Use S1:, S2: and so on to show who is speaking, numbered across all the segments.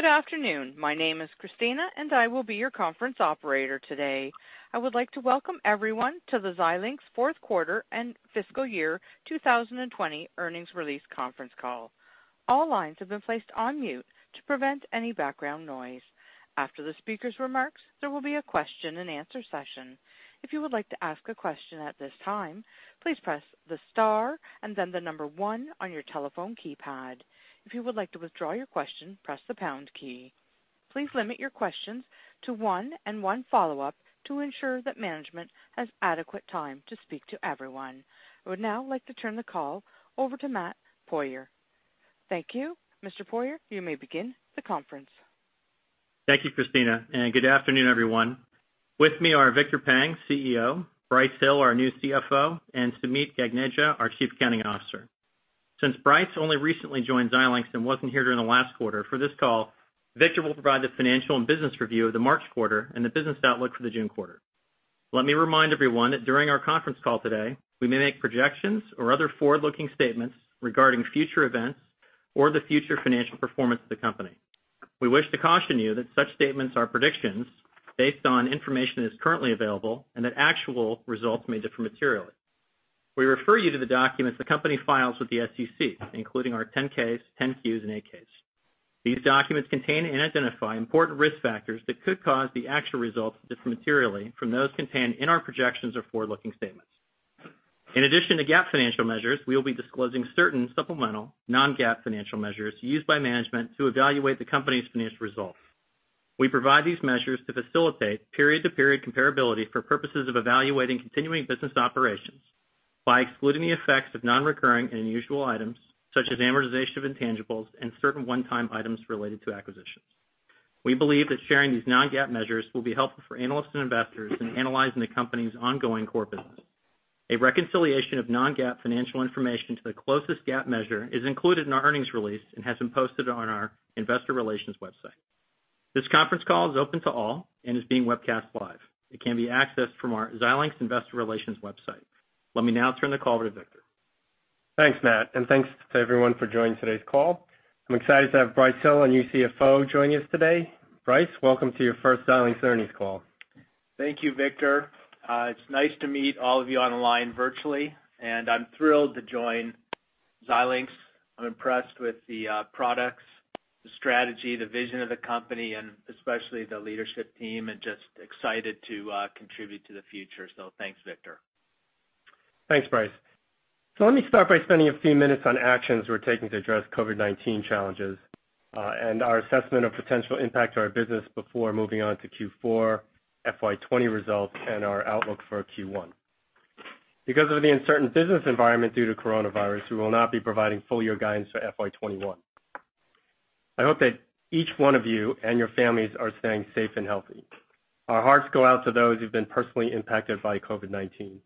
S1: Good afternoon. My name is Christina, and I will be your conference operator today. I would like to welcome everyone to the Xilinx fourth quarter and fiscal year 2020 earnings release conference call. All lines have been placed on mute to prevent any background noise. After the speaker's remarks, there will be a question and answer session. If you would like to ask a question at this time, please press the star and then the number one on your telephone keypad. If you would like to withdraw your question, press the pound key. Please limit your questions to one and one follow-up to ensure that management has adequate time to speak to everyone. I would now like to turn the call over to Matt Poirier. Thank you. Mr. Poirier, you may begin the conference.
S2: Thank you, Christina, and good afternoon, everyone. With me are Victor Peng, CEO, Brice Hill, our new CFO, and Sumeet Gagneja, our Chief Accounting Officer. Since Brice only recently joined Xilinx and wasn't here during the last quarter, for this call, Victor will provide the financial and business review of the March quarter and the business outlook for the June quarter. Let me remind everyone that during our conference call today, we may make projections or other forward-looking statements regarding future events or the future financial performance of the company. We wish to caution you that such statements are predictions based on information that is currently available and that actual results may differ materially. We refer you to the documents the company files with the SEC, including our 10-Ks, 10-Qs and 8-Ks. These documents contain and identify important risk factors that could cause the actual results to differ materially from those contained in our projections or forward-looking statements. In addition to GAAP financial measures, we will be disclosing certain supplemental non-GAAP financial measures used by management to evaluate the company's financial results. We provide these measures to facilitate period-to-period comparability for purposes of evaluating continuing business operations by excluding the effects of non-recurring and unusual items such as amortization of intangibles and certain one-time items related to acquisitions. We believe that sharing these non-GAAP measures will be helpful for analysts and investors in analyzing the company's ongoing core business. A reconciliation of non-GAAP financial information to the closest GAAP measure is included in our earnings release and has been posted on our investor relations website. This conference call is open to all and is being webcast live. It can be accessed from our Xilinx investor relations website. Let me now turn the call over to Victor.
S3: Thanks, Matt, and thanks to everyone for joining today's call. I'm excited to have Brice Hill our new CFO, joining us today. Brice, welcome to your first Xilinx earnings call.
S4: Thank you, Victor. It's nice to meet all of you online virtually, and I'm thrilled to join Xilinx. I'm impressed with the products, the strategy, the vision of the company, and especially the leadership team, and just excited to contribute to the future. Thanks, Victor.
S3: Thanks, Brice. Let me start by spending a few minutes on actions we're taking to address COVID-19 challenges, and our assessment of potential impact to our business before moving on to Q4 FY 2020 results and our outlook for Q1. Because of the uncertain business environment due to coronavirus, we will not be providing full year guidance for FY 2021. I hope that each one of you and your families are staying safe and healthy. Our hearts go out to those who've been personally impacted by COVID-19.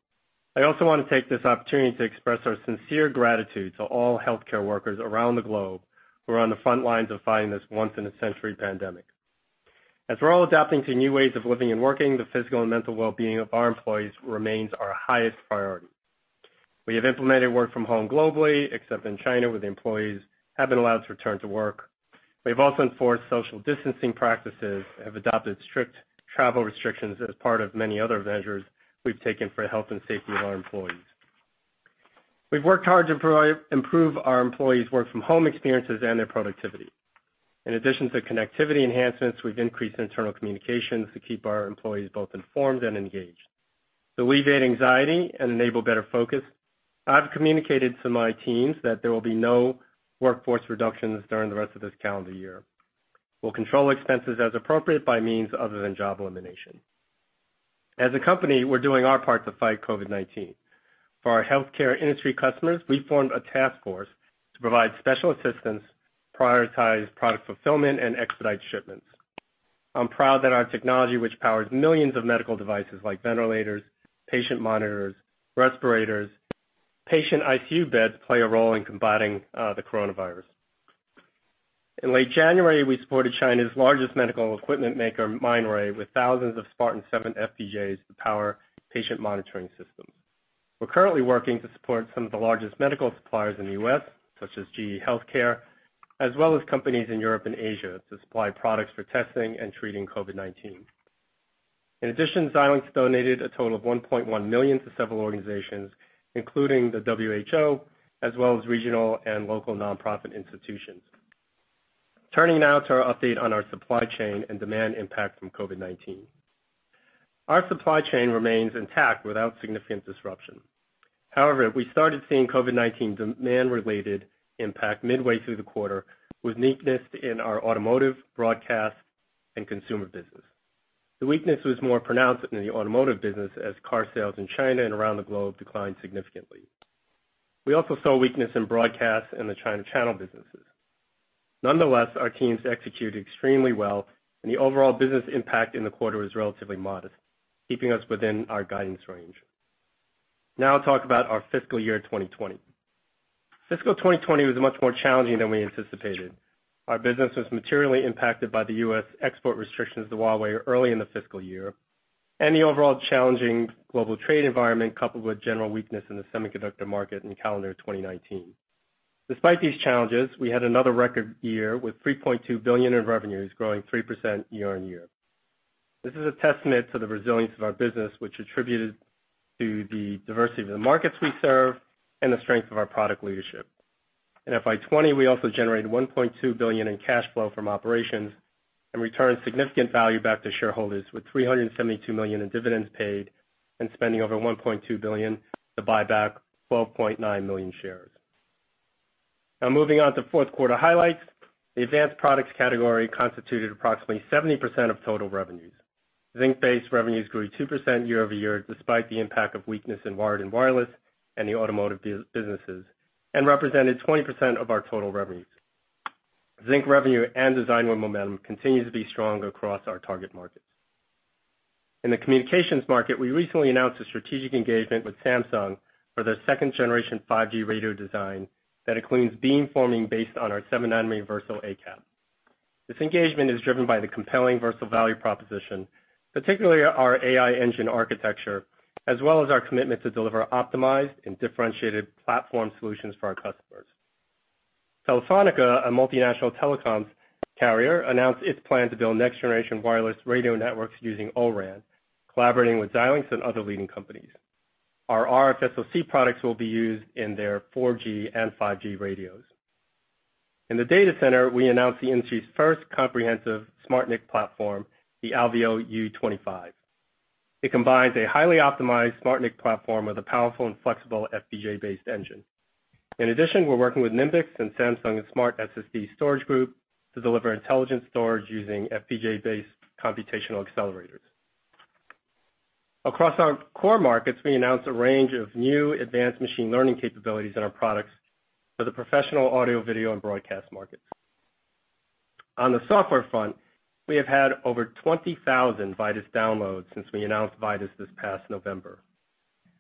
S3: I also want to take this opportunity to express our sincere gratitude to all healthcare workers around the globe who are on the front lines of fighting this once-in-a-century pandemic. As we're all adapting to new ways of living and working, the physical and mental wellbeing of our employees remains our highest priority. We have implemented work from home globally, except in China, where the employees have been allowed to return to work. We've also enforced social distancing practices and have adopted strict travel restrictions as part of many other measures we've taken for the health and safety of our employees. We've worked hard to improve our employees' work from home experiences and their productivity. In addition to connectivity enhancements, we've increased internal communications to keep our employees both informed and engaged. To alleviate anxiety and enable better focus, I've communicated to my teams that there will be no workforce reductions during the rest of this calendar year. We'll control expenses as appropriate by means other than job elimination. As a company, we're doing our part to fight COVID-19. For our healthcare industry customers, we formed a task force to provide special assistance, prioritize product fulfillment, and expedite shipments. I'm proud that our technology, which powers millions of medical devices like ventilators, patient monitors, respirators, patient ICU beds, play a role in combating the coronavirus. In late January, we supported China's largest medical equipment maker, Mindray, with thousands of Spartan-7 FPGAs to power patient monitoring systems. We're currently working to support some of the largest medical suppliers in the U.S., such as GE HealthCare, as well as companies in Europe and Asia to supply products for testing and treating COVID-19. In addition, Xilinx donated a total of $1.1 million to several organizations, including the WHO, as well as regional and local nonprofit institutions. Turning now to our update on our supply chain and demand impact from COVID-19. Our supply chain remains intact without significant disruption. However, we started seeing COVID-19 demand-related impact midway through the quarter with weakness in our automotive, broadcast, and consumer business. The weakness was more pronounced in the automotive business as car sales in China and around the globe declined significantly. We also saw weakness in broadcast and the China channel businesses. Nonetheless, our teams executed extremely well and the overall business impact in the quarter was relatively modest, keeping us within our guidance range. Now I'll talk about our fiscal year 2020. Fiscal 2020 was much more challenging than we anticipated. Our business was materially impacted by the U.S. export restrictions to Huawei early in the fiscal year. The overall challenging global trade environment, coupled with general weakness in the semiconductor market in calendar 2019. Despite these challenges, we had another record year with $3.2 billion in revenues growing 3% year-over-year. This is a testament to the resilience of our business, which attributed to the diversity of the markets we serve and the strength of our product leadership. In FY 2020, we also generated $1.2 billion in cash flow from operations and returned significant value back to shareholders with $372 million in dividends paid and spending over $1.2 billion to buy back 12.9 million shares. Now, moving on to fourth quarter highlights. The advanced products category constituted approximately 70% of total revenues. Zynq-based revenues grew 2% year-over-year, despite the impact of weakness in wired and wireless and the automotive businesses, and represented 20% of our total revenues. Zynq revenue and design win momentum continues to be strong across our target markets. In the communications market, we recently announced a strategic engagement with Samsung for their second generation 5G radio design that includes beam forming based on our 7nm Versal ACAP. This engagement is driven by the compelling Versal value proposition, particularly our AI Engine architecture, as well as our commitment to deliver optimized and differentiated platform solutions for our customers. Telefónica, a multinational telecom carrier, announced its plan to build next generation wireless radio networks using O-RAN, collaborating with Xilinx and other leading companies. Our RFSoC products will be used in their 4G and 5G radios. In the data center, we announced the industry's first comprehensive SmartNIC platform, the Alveo U25. It combines a highly optimized SmartNIC platform with a powerful and flexible FPGA-based engine. In addition, we're working with Nimbus and Samsung SmartSSD Storage Group to deliver intelligent storage using FPGA-based computational accelerators. Across our core markets, we announced a range of new advanced machine learning capabilities in our products for the professional audio video and broadcast markets. On the software front, we have had over 20,000 Vitis downloads since we announced Vitis this past November.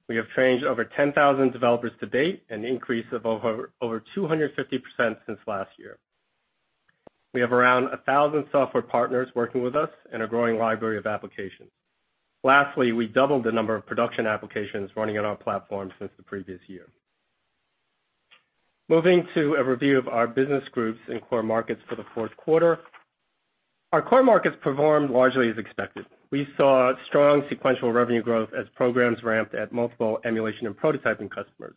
S3: We have trained over 10,000 developers to date, an increase of over 250% since last year. We have around 1,000 software partners working with us and a growing library of applications. Lastly, we doubled the number of production applications running on our platform since the previous year. Moving to a review of our business groups in core markets for the fourth quarter. Our core markets performed largely as expected. We saw strong sequential revenue growth as programs ramped at multiple emulation and prototyping customers.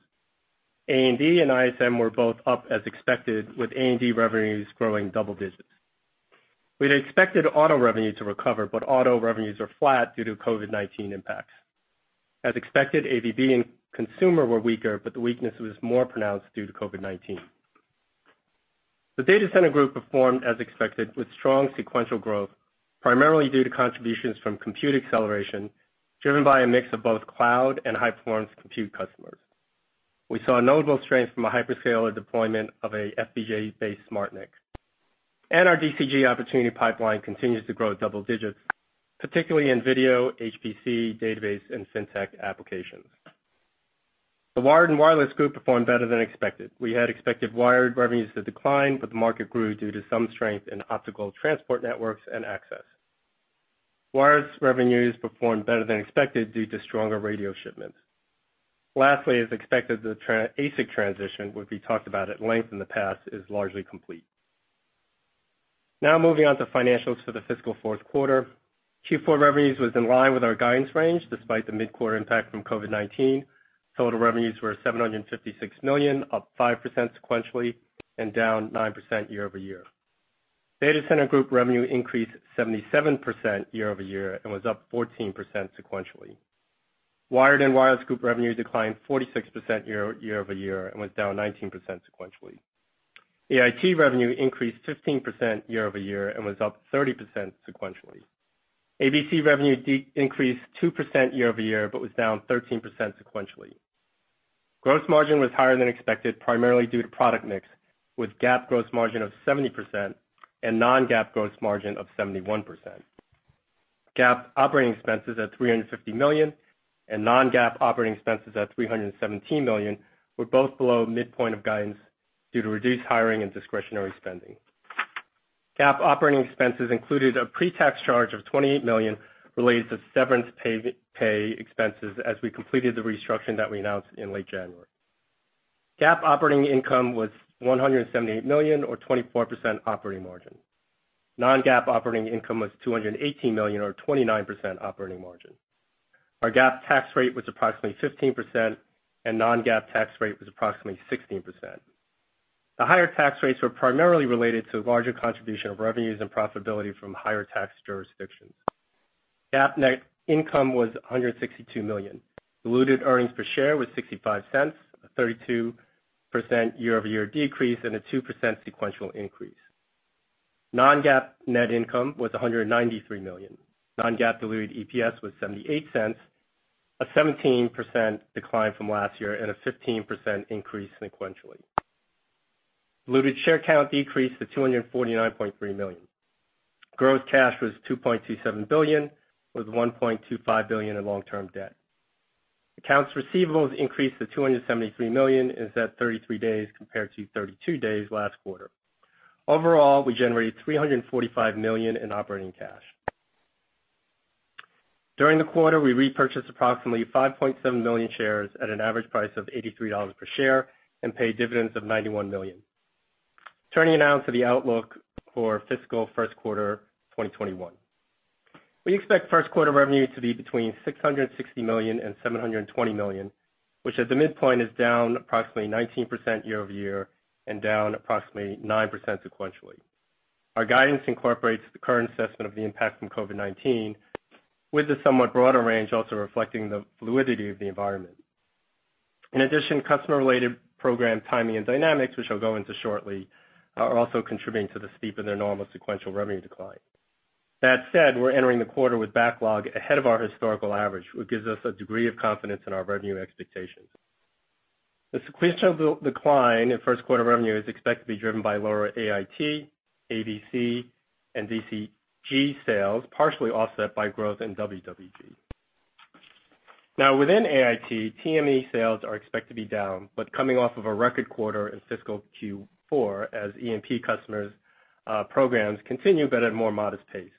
S3: A&D and ISM were both up as expected, with A&D revenues growing double digits. We had expected auto revenue to recover, but auto revenues are flat due to COVID-19 impacts. As expected, AVB and consumer were weaker, but the weakness was more pronounced due to COVID-19. The Data Center Group performed as expected with strong sequential growth, primarily due to contributions from compute acceleration driven by a mix of both cloud and high-performance compute customers. We saw notable strength from a hyperscaler deployment of a FPGA-based SmartNIC. Our DCG opportunity pipeline continues to grow double digits, particularly in video, HPC, database, and FinTech applications. The Wired and Wireless Group performed better than expected. We had expected wired revenues to decline, but the market grew due to some strength in optical transport networks and access. Wired revenues performed better than expected due to stronger radio shipments. Lastly, as expected, the ASIC transition, which we talked about at length in the past, is largely complete. Now moving on to financials for the fiscal fourth quarter. Q4 revenues was in line with our guidance range, despite the mid-quarter impact from COVID-19. Total revenues were $756 million, up 5% sequentially and down 9% year-over-year. Data Center Group revenue increased 77% year-over-year and was up 14% sequentially. Wired and Wireless Group revenue declined 46% year-over-year and was down 19% sequentially. AIT revenue increased 15% year-over-year and was up 30% sequentially. ABC revenue decreased 2% year-over-year but was down 13% sequentially. Gross margin was higher than expected, primarily due to product mix, with GAAP gross margin of 70% and non-GAAP gross margin of 71%. GAAP operating expenses at $350 million and non-GAAP operating expenses at $317 million were both below midpoint of guidance due to reduced hiring and discretionary spending. GAAP operating expenses included a pre-tax charge of $28 million related to severance pay expenses as we completed the restructuring that we announced in late January. GAAP operating income was $178 million, or 24% operating margin. Non-GAAP operating income was $218 million, or 29% operating margin. Our GAAP tax rate was approximately 15%, non-GAAP tax rate was approximately 16%. The higher tax rates were primarily related to larger contribution of revenues and profitability from higher tax jurisdictions. GAAP net income was $162 million. Diluted earnings per share was $0.65, a 32% year-over-year decrease and a 2% sequential increase. Non-GAAP net income was $193 million. Non-GAAP diluted EPS was $0.78, a 17% decline from last year and a 15% increase sequentially. Diluted share count decreased to 249.3 million. Gross cash was $2.27 billion, with $1.25 billion in long-term debt. Accounts receivables increased to $273 million and is at 33 days compared to 32 days last quarter. Overall, we generated $345 million in operating cash. During the quarter, we repurchased approximately 5.7 million shares at an average price of $83 per share and paid dividends of $91 million. Turning now to the outlook for fiscal first quarter 2021. We expect first quarter revenue to be between $660 million-$720 million, which at the midpoint is down approximately 19% year-over-year and down approximately 9% sequentially. Our guidance incorporates the current assessment of the impact from COVID-19, with a somewhat broader range also reflecting the fluidity of the environment. In addition, customer-related program timing and dynamics, which I'll go into shortly, are also contributing to the steep and abnormal sequential revenue decline. That said, we're entering the quarter with backlog ahead of our historical average, which gives us a degree of confidence in our revenue expectations. The sequential decline in first quarter revenue is expected to be driven by lower AIT, ABC, and DCG sales, partially offset by growth in WWG. Within AIT, TME sales are expected to be down, but coming off of a record quarter in fiscal Q4 as EMP customers' programs continue but at a more modest pace.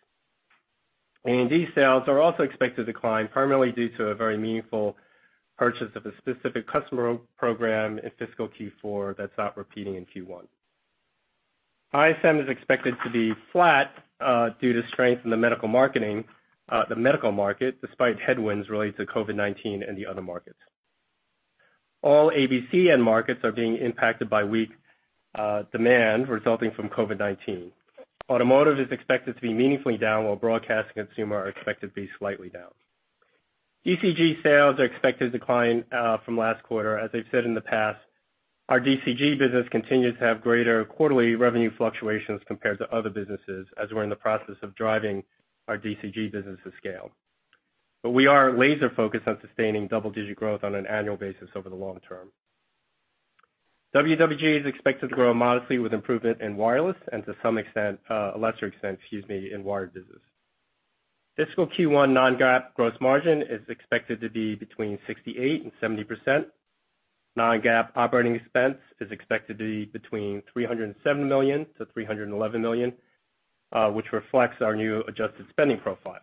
S3: A&D sales are also expected to decline, primarily due to a very meaningful purchase of a specific customer program in fiscal Q4 that's not repeating in Q1. ISM is expected to be flat due to strength in the medical market despite headwinds related to COVID-19 in the other markets. All ABC end markets are being impacted by weak demand resulting from COVID-19. Automotive is expected to be meaningfully down, while broadcast and consumer are expected to be slightly down. DCG sales are expected to decline from last quarter. As I've said in the past, our DCG business continues to have greater quarterly revenue fluctuations compared to other businesses, as we're in the process of driving our DCG business to scale. We are laser-focused on sustaining double-digit growth on an annual basis over the long term. WWG is expected to grow modestly with improvement in wireless and to a lesser extent in wired business. Fiscal Q1 non-GAAP gross margin is expected to be between 68%-70%. Non-GAAP operating expense is expected to be between $307 million-$311 million, which reflects our new adjusted spending profile.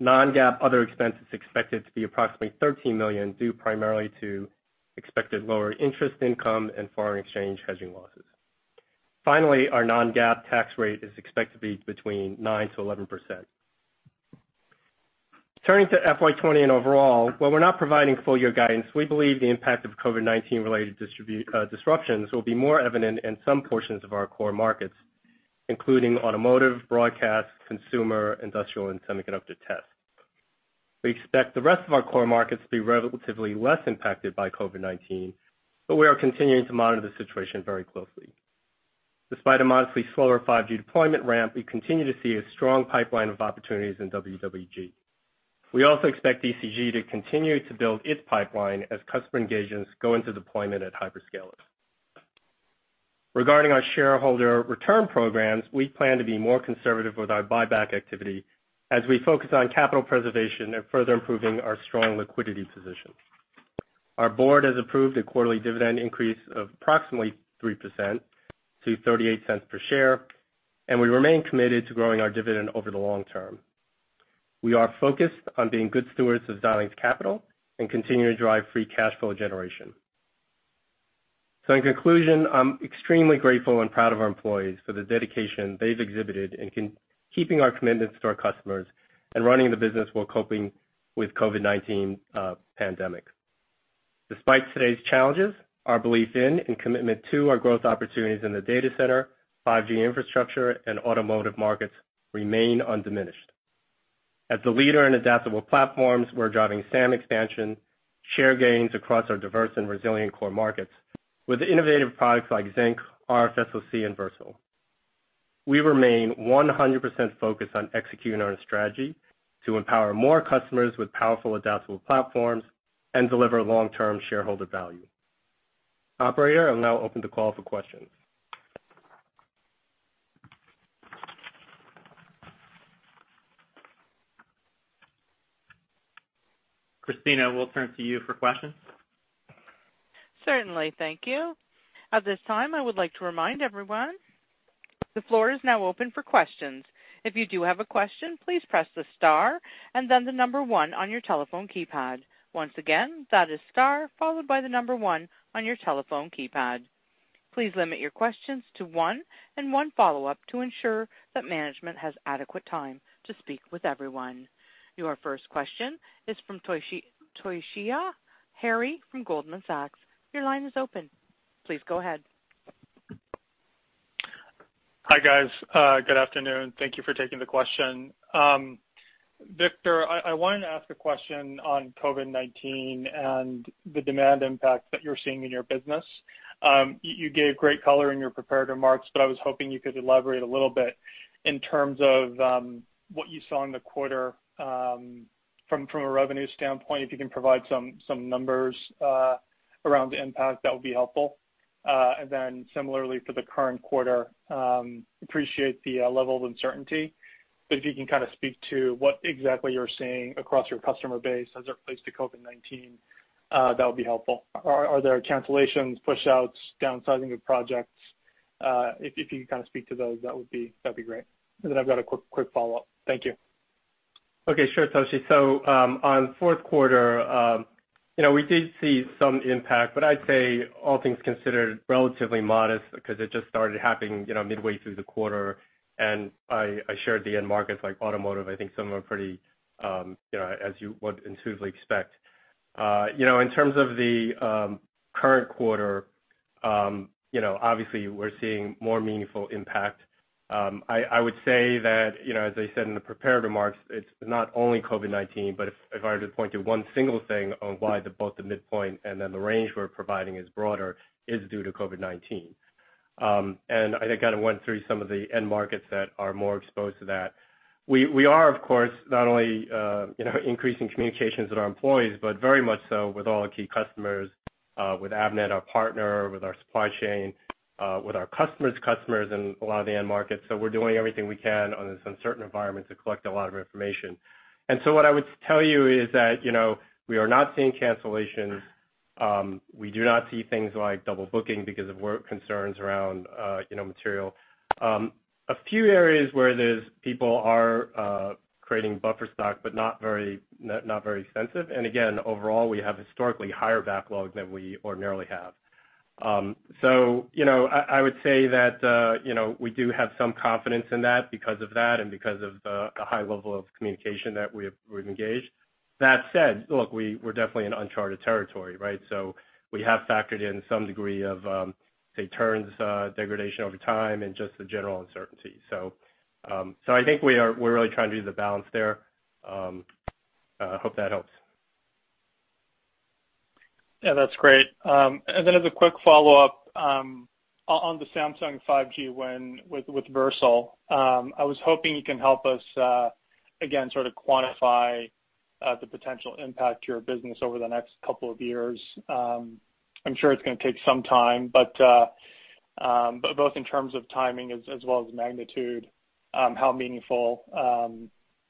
S3: Non-GAAP other expense is expected to be approximately $13 million due primarily to expected lower interest income and foreign exchange hedging losses. Finally, our non-GAAP tax rate is expected to be between 9%-11%. Turning to FY 2020 and overall, while we're not providing full year guidance, we believe the impact of COVID-19 related disruptions will be more evident in some portions of our core markets, including automotive, broadcast, consumer, industrial, and semiconductor test. We expect the rest of our core markets to be relatively less impacted by COVID-19, we are continuing to monitor the situation very closely. Despite a modestly slower 5G deployment ramp, we continue to see a strong pipeline of opportunities in WWG. We also expect DCG to continue to build its pipeline as customer engagements go into deployment at hyperscalers. Regarding our shareholder return programs, we plan to be more conservative with our buyback activity as we focus on capital preservation and further improving our strong liquidity position. Our board has approved a quarterly dividend increase of approximately 3% to $0.38 per share, and we remain committed to growing our dividend over the long term. We are focused on being good stewards of Xilinx capital and continue to drive free cash flow generation. In conclusion, I'm extremely grateful and proud of our employees for the dedication they've exhibited in keeping our commitments to our customers and running the business while coping with COVID-19 pandemic. Despite today's challenges, our belief in and commitment to our growth opportunities in the data center, 5G infrastructure, and automotive markets remain undiminished. As the leader in adaptable platforms, we're driving SAM expansion, share gains across our diverse and resilient core markets with innovative products like Zynq, RFSoC, and Versal. We remain 100% focused on executing our strategy to empower more customers with powerful, adaptable platforms and deliver long-term shareholder value. Operator, I'll now open the call for questions.
S2: Christina, we'll turn to you for questions.
S1: Certainly. Thank you. At this time, I would like to remind everyone, the floor is now open for questions. If you do have a question, please press the star and then the number 1 on your telephone keypad. Once again, that is star followed by the number 1 on your telephone keypad. Please limit your questions to one and one follow-up to ensure that management has adequate time to speak with everyone. Your first question is from Toshiya Hari from Goldman Sachs. Your line is open. Please go ahead.
S5: Hi, guys. Good afternoon. Thank you for taking the question. Victor, I wanted to ask a question on COVID-19 and the demand impact that you're seeing in your business. You gave great color in your prepared remarks. I was hoping you could elaborate a little bit in terms of what you saw in the quarter from a revenue standpoint. If you can provide some numbers around the impact, that would be helpful. Similarly for the current quarter, appreciate the level of uncertainty. If you can speak to what exactly you're seeing across your customer base as it relates to COVID-19, that would be helpful. Are there cancellations, pushouts, downsizing of projects? If you could speak to those, that'd be great. I've got a quick follow-up. Thank you.
S3: Okay. Sure, Toshi. On fourth quarter, we did see some impact, I'd say all things considered, relatively modest because it just started happening midway through the quarter. I shared the end markets like automotive, I think some are pretty, as you would intuitively expect. In terms of the current quarter, obviously we're seeing more meaningful impact. I would say that, as I said in the prepared remarks, it's not only COVID-19, if I were to point to one single thing on why both the midpoint and then the range we're providing is broader is due to COVID-19. I think I went through some of the end markets that are more exposed to that. We are, of course, not only increasing communications with our employees, very much so with all our key customers, with Avnet, our partner, with our supply chain, with our customers' customers in a lot of the end markets. We're doing everything we can on this uncertain environment to collect a lot of information. What I would tell you is that we are not seeing cancellations. We do not see things like double booking because of work concerns around material. A few areas where there's people are creating buffer stock, not very extensive. Again, overall, we have historically higher backlogs than we ordinarily have. I would say that we do have some confidence in that because of that and because of the high level of communication that we've engaged. That said, look, we're definitely in uncharted territory, right? We have factored in some degree of, say, turns degradation over time and just the general uncertainty. I think we're really trying to do the balance there. I hope that helps.
S5: As a quick follow-up on the Samsung 5G win with Versal, I was hoping you can help us, again, sort of quantify the potential impact to your business over the next couple of years. I'm sure it's going to take some time, but both in terms of timing as well as magnitude, how meaningful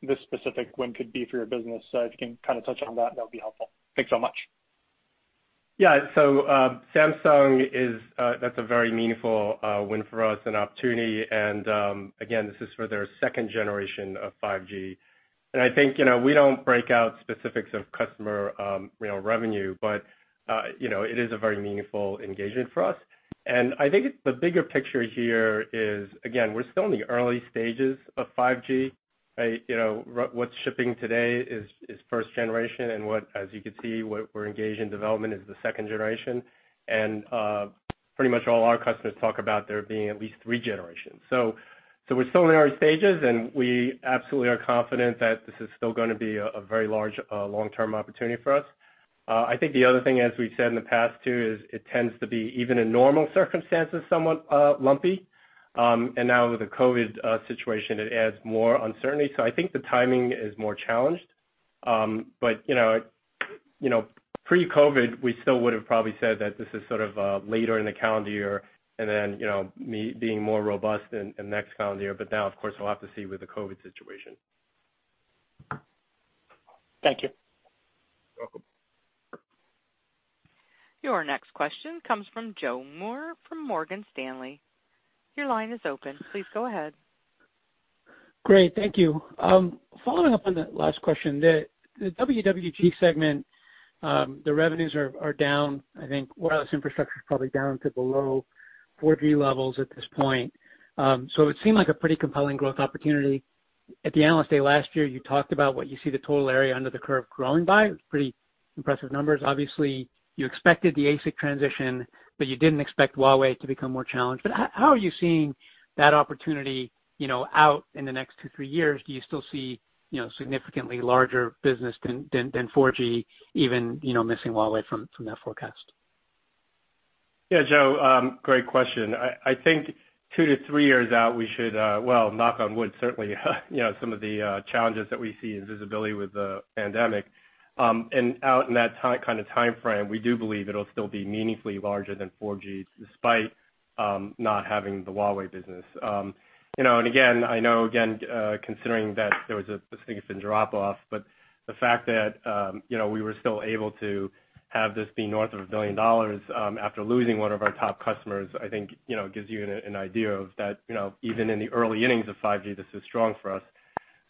S5: this specific win could be for your business. If you can touch on that would be helpful. Thanks so much.
S3: Yeah. Samsung, that's a very meaningful win for us and opportunity. Again, this is for their second generation of 5G. I think we don't break out specifics of customer revenue, but it is a very meaningful engagement for us. I think the bigger picture here is, again, we're still in the early stages of 5G, right? What's shipping today is first generation, as you can see, what we're engaged in development is the second generation. Pretty much all our customers talk about there being at least three generations. We're still in the early stages, and we absolutely are confident that this is still going to be a very large long-term opportunity for us. I think the other thing, as we've said in the past, too, is it tends to be, even in normal circumstances, somewhat lumpy. Now with the COVID situation, it adds more uncertainty. I think the timing is more challenged. Pre-COVID, we still would have probably said that this is sort of later in the calendar year and then being more robust in next calendar year. Now, of course, we'll have to see with the COVID situation.
S5: Thank you.
S3: You're welcome.
S1: Your next question comes from Joseph Moore from Morgan Stanley. Your line is open. Please go ahead.
S6: Great. Thank you. Following up on that last question, the WWG segment, the revenues are down. I think wireless infrastructure is probably down to below 4G levels at this point. It seemed like a pretty compelling growth opportunity. At the Analyst Day last year, you talked about what you see the total area under the curve growing by. It was pretty impressive numbers. Obviously, you expected the ASIC transition, you didn't expect Huawei to become more challenged. How are you seeing that opportunity out in the next two, three years? Do you still see significantly larger business than 4G, even missing Huawei from that forecast?
S3: Yeah, Joe. Great question. I think 2-3 years out, well, knock on wood, certainly, some of the challenges that we see in visibility with the pandemic. Out in that kind of timeframe, we do believe it'll still be meaningfully larger than 4G, despite not having the Huawei business. Again, I know, again, considering that there was a significant drop-off, but the fact that we were still able to have this be north of $1 billion after losing one of our top customers, I think gives you an idea of that even in the early innings of 5G, this is strong for us.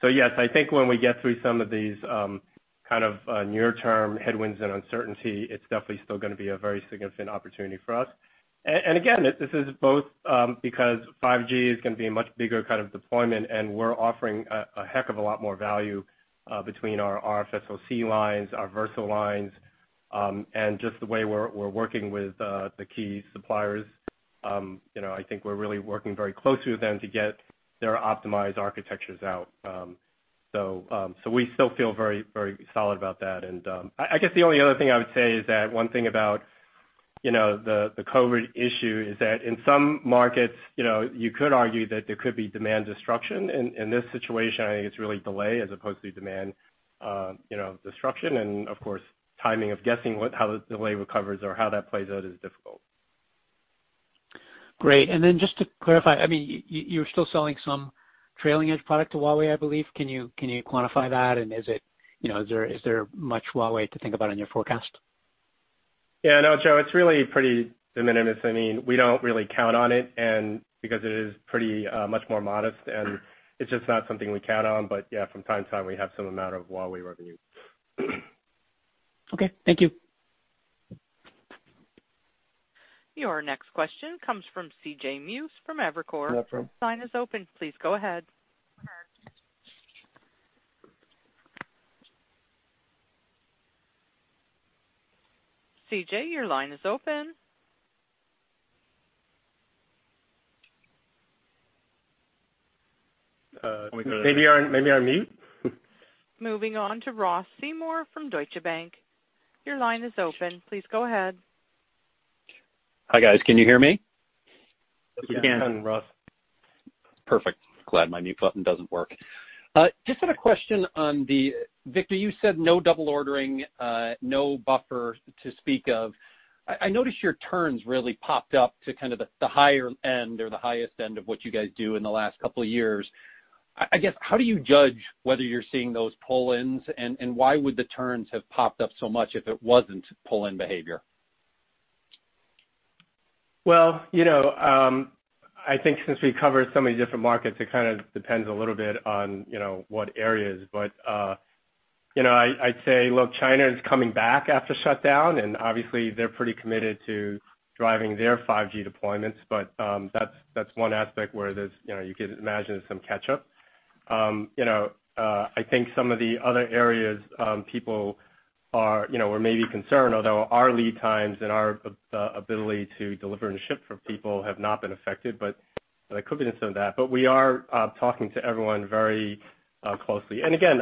S3: Yes, I think when we get through some of these kind of near-term headwinds and uncertainty, it's definitely still going to be a very significant opportunity for us. This is both because 5G is going to be a much bigger kind of deployment, and we're offering a heck of a lot more value between our RFSoC lines, our Versal lines, and just the way we're working with the key suppliers. I think we're really working very closely with them to get their optimized architectures out. We still feel very solid about that. I guess the only other thing I would say is that one thing about the COVID issue is that in some markets, you could argue that there could be demand destruction. In this situation, I think it's really delay as opposed to demand destruction. Of course, timing of guessing how the delay recovers or how that plays out is difficult.
S6: Great. Then just to clarify, you're still selling some trailing-edge product to Huawei, I believe. Can you quantify that, and is there much Huawei to think about in your forecast?
S3: Yeah, no, Joe, it's really pretty de minimis. We don't really count on it, because it is pretty much more modest, and it's just not something we count on. Yeah, from time to time, we have some amount of Huawei revenue.
S6: Okay, thank you.
S1: Your next question comes from C.J. Muse from Evercore.
S3: Hi.
S1: Your line is open. Please go ahead. C.J., your line is open.
S3: Maybe you're on mute?
S1: Moving on to Ross Seymore from Deutsche Bank. Your line is open. Please go ahead.
S7: Hi, guys. Can you hear me?
S3: Yes, we can, Ross.
S7: Perfect. Glad my mute button doesn't work. Just had a question on Victor, you said no double ordering, no buffer to speak of. I noticed your turns really popped up to the higher end or the highest end of what you guys do in the last couple of years. I guess, how do you judge whether you're seeing those pull-ins, and why would the turns have popped up so much if it wasn't pull-in behavior?
S3: I think since we cover so many different markets, it depends a little bit on what areas. I'd say, look, China is coming back after shutdown, and obviously they're pretty committed to driving their 5G deployments. That's one aspect where you could imagine some catch-up. I think some of the other areas people were maybe concerned, although our lead times and our ability to deliver and ship for people have not been affected, but that could be some of that. We are talking to everyone very closely. Again,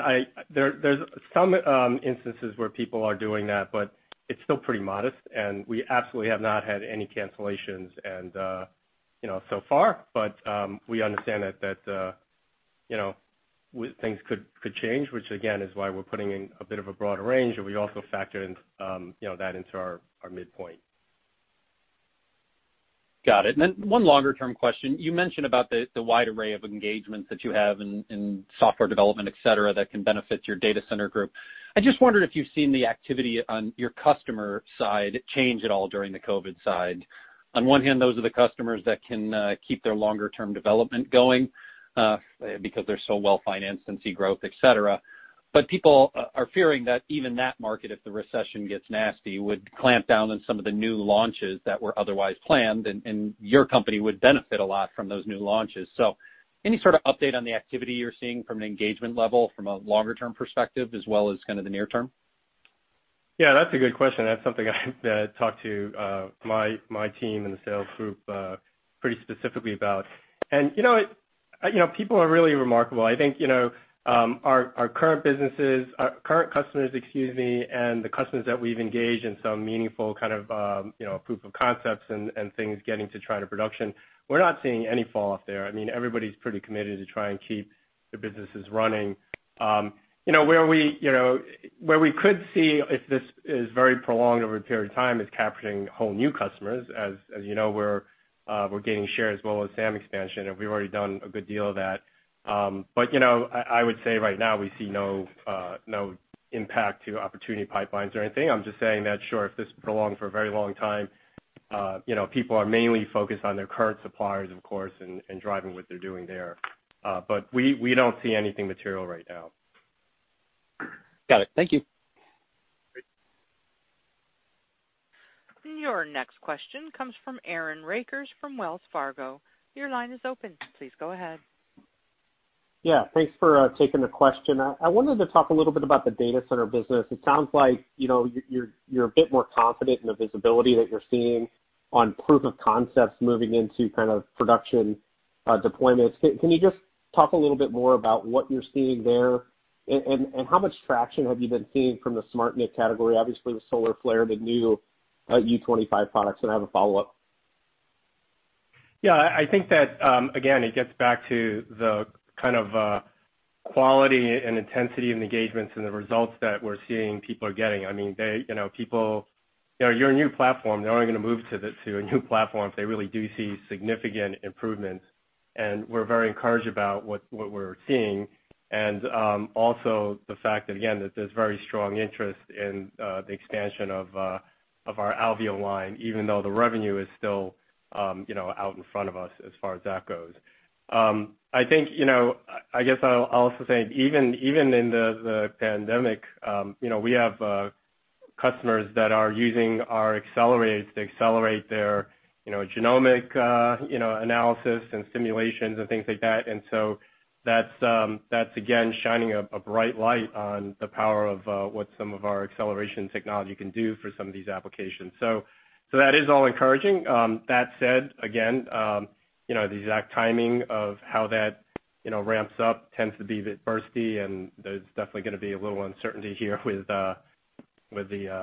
S3: there's some instances where people are doing that, but it's still pretty modest, and we absolutely have not had any cancellations so far. We understand that things could change, which again, is why we're putting in a bit of a broader range, and we also factor that into our midpoint.
S7: Got it. One longer-term question. You mentioned about the wide array of engagements that you have in software development, et cetera, that can benefit your data center group. I just wondered if you've seen the activity on your customer side change at all during the COVID side. People are fearing that even that market, if the recession gets nasty, would clamp down on some of the new launches that were otherwise planned, and your company would benefit a lot from those new launches. Any sort of update on the activity you're seeing from an engagement level, from a longer-term perspective, as well as the near term?
S3: That's a good question. That's something I've talked to my team and the sales group pretty specifically about. People are really remarkable. I think our current businesses, our current customers, excuse me, and the customers that we've engaged in some meaningful proof of concepts and things getting to try to production, we're not seeing any fall off there. Everybody's pretty committed to trying to keep their businesses running. Where we could see if this is very prolonged over a period of time is capturing whole new customers. As you know, we're gaining share as well as SAM expansion, and we've already done a good deal of that. I would say right now, we see no impact to opportunity pipelines or anything. I'm just saying that, sure, if this prolonged for a very long time, people are mainly focused on their current suppliers, of course, and driving what they're doing there. We don't see anything material right now.
S7: Got it. Thank you.
S3: Great.
S1: Your next question comes from Aaron Rakers from Wells Fargo. Your line is open. Please go ahead.
S8: Yeah. Thanks for taking the question. I wanted to talk a little bit about the data center business. It sounds like you're a bit more confident in the visibility that you're seeing on proof of concepts moving into production deployments. Can you just talk a little bit more about what you're seeing there, and how much traction have you been seeing from the SmartNIC category? Obviously, the Solarflare, the new U25 products. I have a follow-up.
S3: Yeah, I think that, again, it gets back to the quality and intensity and engagements and the results that we're seeing people are getting. You're a new platform. They're only going to move to a new platform if they really do see significant improvements, and we're very encouraged about what we're seeing. Also the fact that, again, that there's very strong interest in the expansion of our Alveo line, even though the revenue is still out in front of us as far as that goes. I guess I'll also say, even in the pandemic, we have customers that are using our accelerators to accelerate their genomic analysis and simulations and things like that. That's, again, shining a bright light on the power of what some of our acceleration technology can do for some of these applications. That is all encouraging. That said, again, the exact timing of how that ramps up tends to be a bit bursty. There's definitely going to be a little uncertainty here with the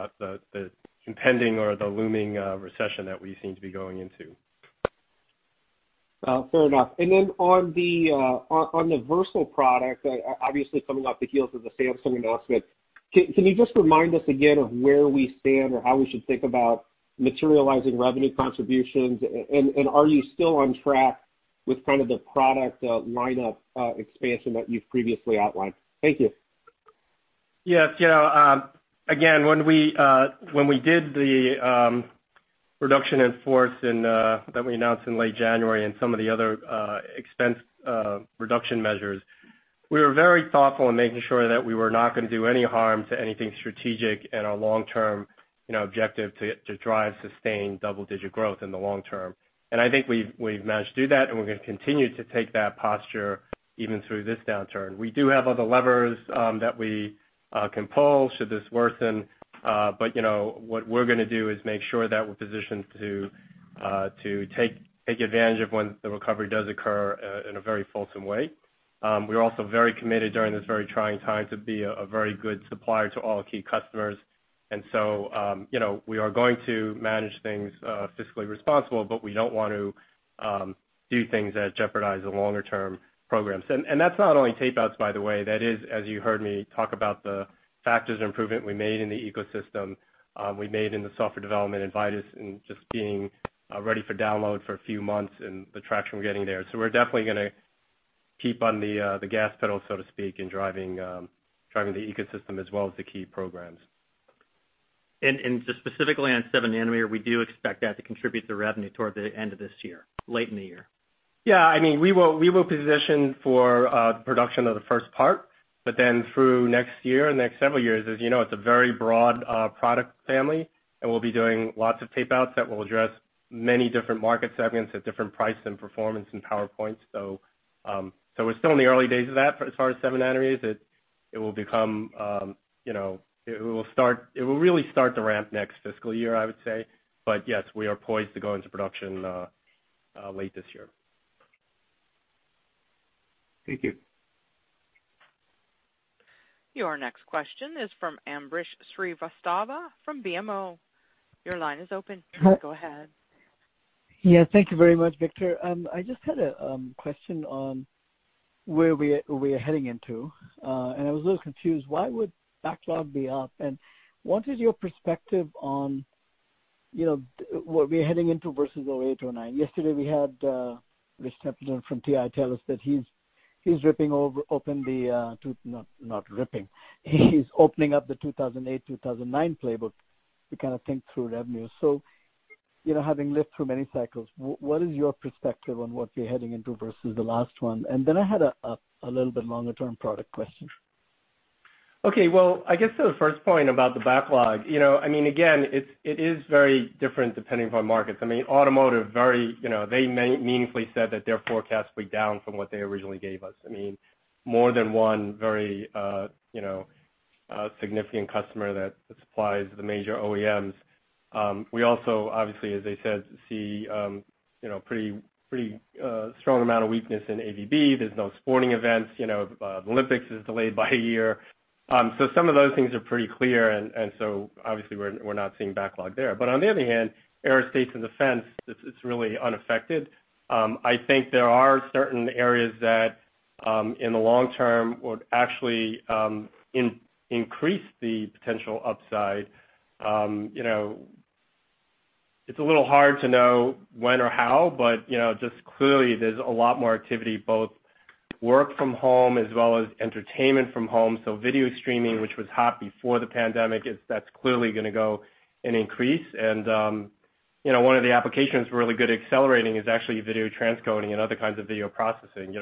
S3: impending or the looming recession that we seem to be going into.
S8: Fair enough. Then on the Versal product, obviously coming off the heels of the Samsung announcement, can you just remind us again of where we stand or how we should think about materializing revenue contributions? Are you still on track with kind of the product lineup expansion that you've previously outlined? Thank you.
S3: Yes. Again, when we did the reduction in force that we announced in late January and some of the other expense reduction measures, we were very thoughtful in making sure that we were not going to do any harm to anything strategic in our long-term objective to drive sustained double-digit growth in the long term. I think we've managed to do that, and we're going to continue to take that posture even through this downturn. We do have other levers that we can pull should this worsen. What we're going to do is make sure that we're positioned to take advantage of when the recovery does occur in a very fulsome way. We're also very committed during this very trying time to be a very good supplier to all key customers. We are going to manage things fiscally responsible, but we don't want to do things that jeopardize the longer-term programs. That's not only tape outs, by the way, that is, as you heard me talk about the factors improvement we made in the ecosystem, we made in the software development in Vitis and just being ready for download for a few months and the traction we're getting there. We're definitely going to keep on the gas pedal, so to speak, in driving the ecosystem as well as the key programs.
S2: Just specifically on 7 nanometer, we do expect that to contribute to revenue toward the end of this year, late in the year.
S3: We will position for production of the first part, then through next year and the next several years, as you know, it's a very broad product family, and we'll be doing lots of tape outs that will address many different market segments at different price and performance and power points. We're still in the early days of that, as far as 7 nanometer, it will really start to ramp next fiscal year, I would say. Yes, we are poised to go into production late this year.
S8: Thank you.
S1: Your next question is from Ambrish Srivastava from BMO. Your line is open. Go ahead.
S9: Thank you very much, Victor. I just had a question on where we are heading into. I was a little confused, why would backlog be up? What is your perspective on what we're heading into versus 2008 and 2009? Yesterday, we had Rich Templeton from TI tell us that he's opening up the 2008, 2009 playbook to kind of think through revenue. Having lived through many cycles, what is your perspective on what we're heading into versus the last one? Then I had a little bit longer-term product question.
S3: Okay. Well, I guess to the first point about the backlog, again, it is very different depending upon markets. Automotive, they meaningfully said that their forecast will be down from what they originally gave us. More than one very significant customer that supplies the major OEMs. We also obviously, as I said, see pretty strong amount of weakness in AVB. There's no sporting events. The Olympics is delayed by a year. Some of those things are pretty clear. Obviously, we're not seeing backlog there. On the other hand, aerospace and defense, it's really unaffected. I think there are certain areas that, in the long term, would actually increase the potential upside. It's a little hard to know when or how, but just clearly, there's a lot more activity, both work from home as well as entertainment from home. Video streaming, which was hot before the pandemic, that's clearly going to go and increase. One of the applications really good at accelerating is actually video transcoding and other kinds of video processing.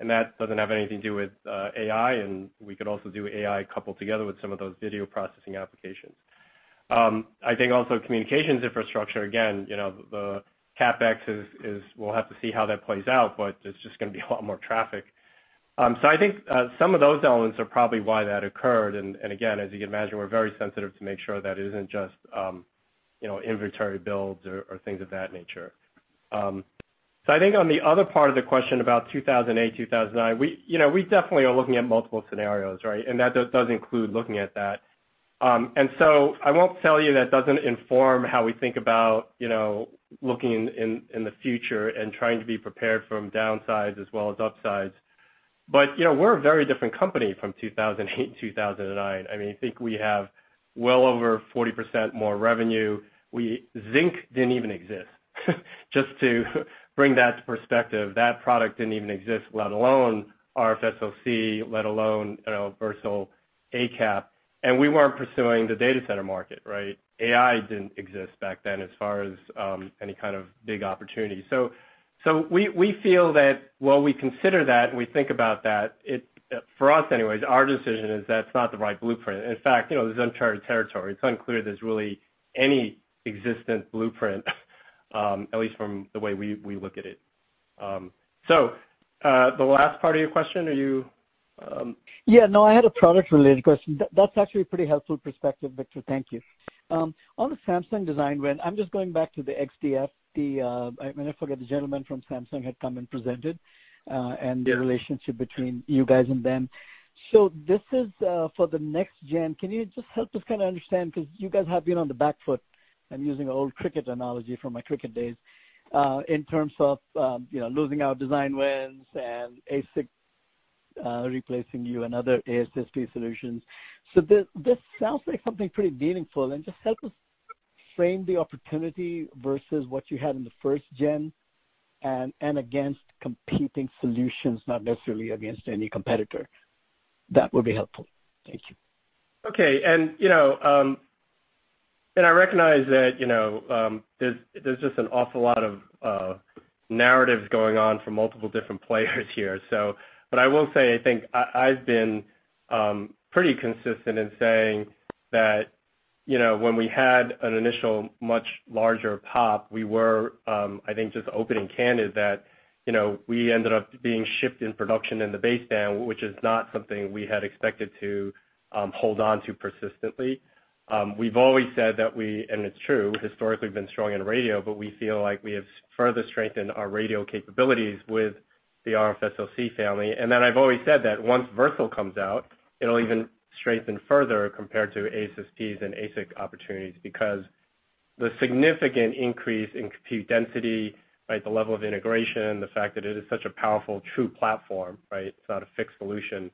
S3: That doesn't have anything to do with AI. We could also do AI coupled together with some of those video processing applications. I think also communications infrastructure, again, the CapEx is we'll have to see how that plays out. It's just going to be a lot more traffic. I think some of those elements are probably why that occurred. Again, as you can imagine, we're very sensitive to make sure that it isn't just inventory builds or things of that nature. I think on the other part of the question about 2008, 2009, we definitely are looking at multiple scenarios, right? That does include looking at that. I won't tell you that doesn't inform how we think about looking in the future and trying to be prepared from downsides as well as upsides. We're a very different company from 2008 and 2009. I think we have well over 40% more revenue. Zynq didn't even exist. Just to bring that to perspective, that product didn't even exist, let alone RFSoC, let alone Versal ACAP. We weren't pursuing the data center market, right? AI didn't exist back then as far as any kind of big opportunity. We feel that while we consider that and we think about that, for us anyways, our decision is that's not the right blueprint. In fact, this is uncharted territory. It's unclear there's really any existent blueprint, at least from the way we look at it. The last part of your question, are you-
S9: Yeah, no, I had a product-related question. That's actually a pretty helpful perspective, Victor. Thank you. On the Samsung design win, I'm just going back to the XDF. I forget, the gentleman from Samsung had come and presented. The relationship between you guys and them. This is for the next gen. Can you just help us kind of understand, because you guys have been on the back foot, I'm using an old cricket analogy from my cricket days, in terms of losing out design wins and ASIC replacing you and other ASSP solutions. This sounds like something pretty meaningful. Just help us frame the opportunity versus what you had in the first gen and against competing solutions, not necessarily against any competitor. That would be helpful. Thank you.
S3: Okay. I recognize that there's just an awful lot of narratives going on from multiple different players here. I will say, I think I've been pretty consistent in saying that when we had an initial much larger pop, we were, I think, just opening can is that, we ended up being shipped in production in the baseband, which is not something we had expected to hold on to persistently. We've always said that we, and it's true, historically been strong in radio, but we feel like we have further strengthened our radio capabilities with the RFSoC family. I've always said that once Versal comes out, it'll even strengthen further compared to ASSPs and ASIC opportunities because the significant increase in compute density, right, the level of integration, the fact that it is such a powerful, true platform, right? It's not a fixed solution.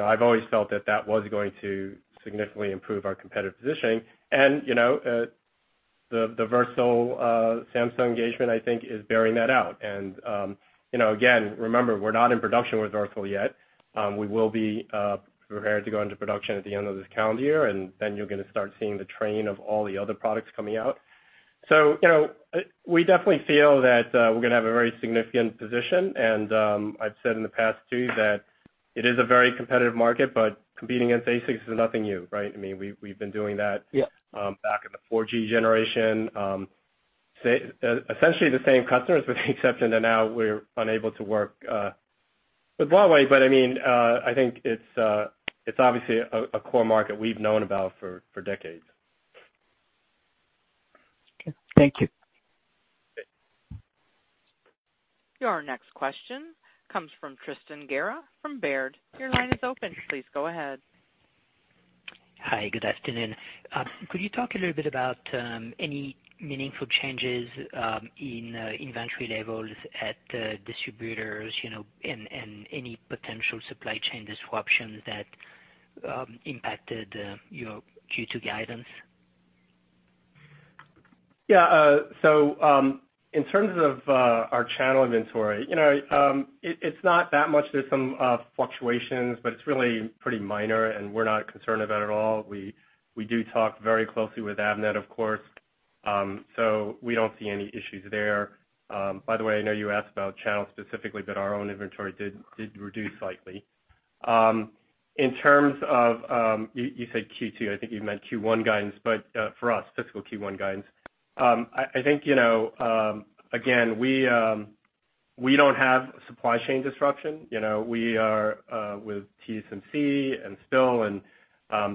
S3: I've always felt that that was going to significantly improve our competitive positioning. The Versal Samsung engagement, I think, is bearing that out. Again, remember, we're not in production with Versal yet. We will be prepared to go into production at the end of this calendar year, then you're going to start seeing the train of all the other products coming out. We definitely feel that we're going to have a very significant position. I've said in the past too that it is a very competitive market, competing against ASICs is nothing new, right? I mean, we've been doing that
S9: Yeah
S3: back in the 4G generation. Essentially the same customers with the exception that now we're unable to work with Huawei. I think it's obviously a core market we've known about for decades.
S9: Okay. Thank you.
S3: Okay.
S1: Your next question comes from Tristan Gerra from Baird. Your line is open. Please go ahead.
S10: Hi, good afternoon. Could you talk a little bit about any meaningful changes in inventory levels at distributors, and any potential supply chain disruptions that impacted your Q2 guidance?
S3: In terms of our channel inventory, it's not that much. There's some fluctuations, but it's really pretty minor, and we're not concerned about it at all. We do talk very closely with Avnet, of course. We don't see any issues there. By the way, I know you asked about channels specifically, but our own inventory did reduce slightly. In terms of, you said Q2, I think you meant Q1 guidance, but, for us, fiscal Q1 guidance. I think, again, we don't have supply chain disruption. We are with TSMC and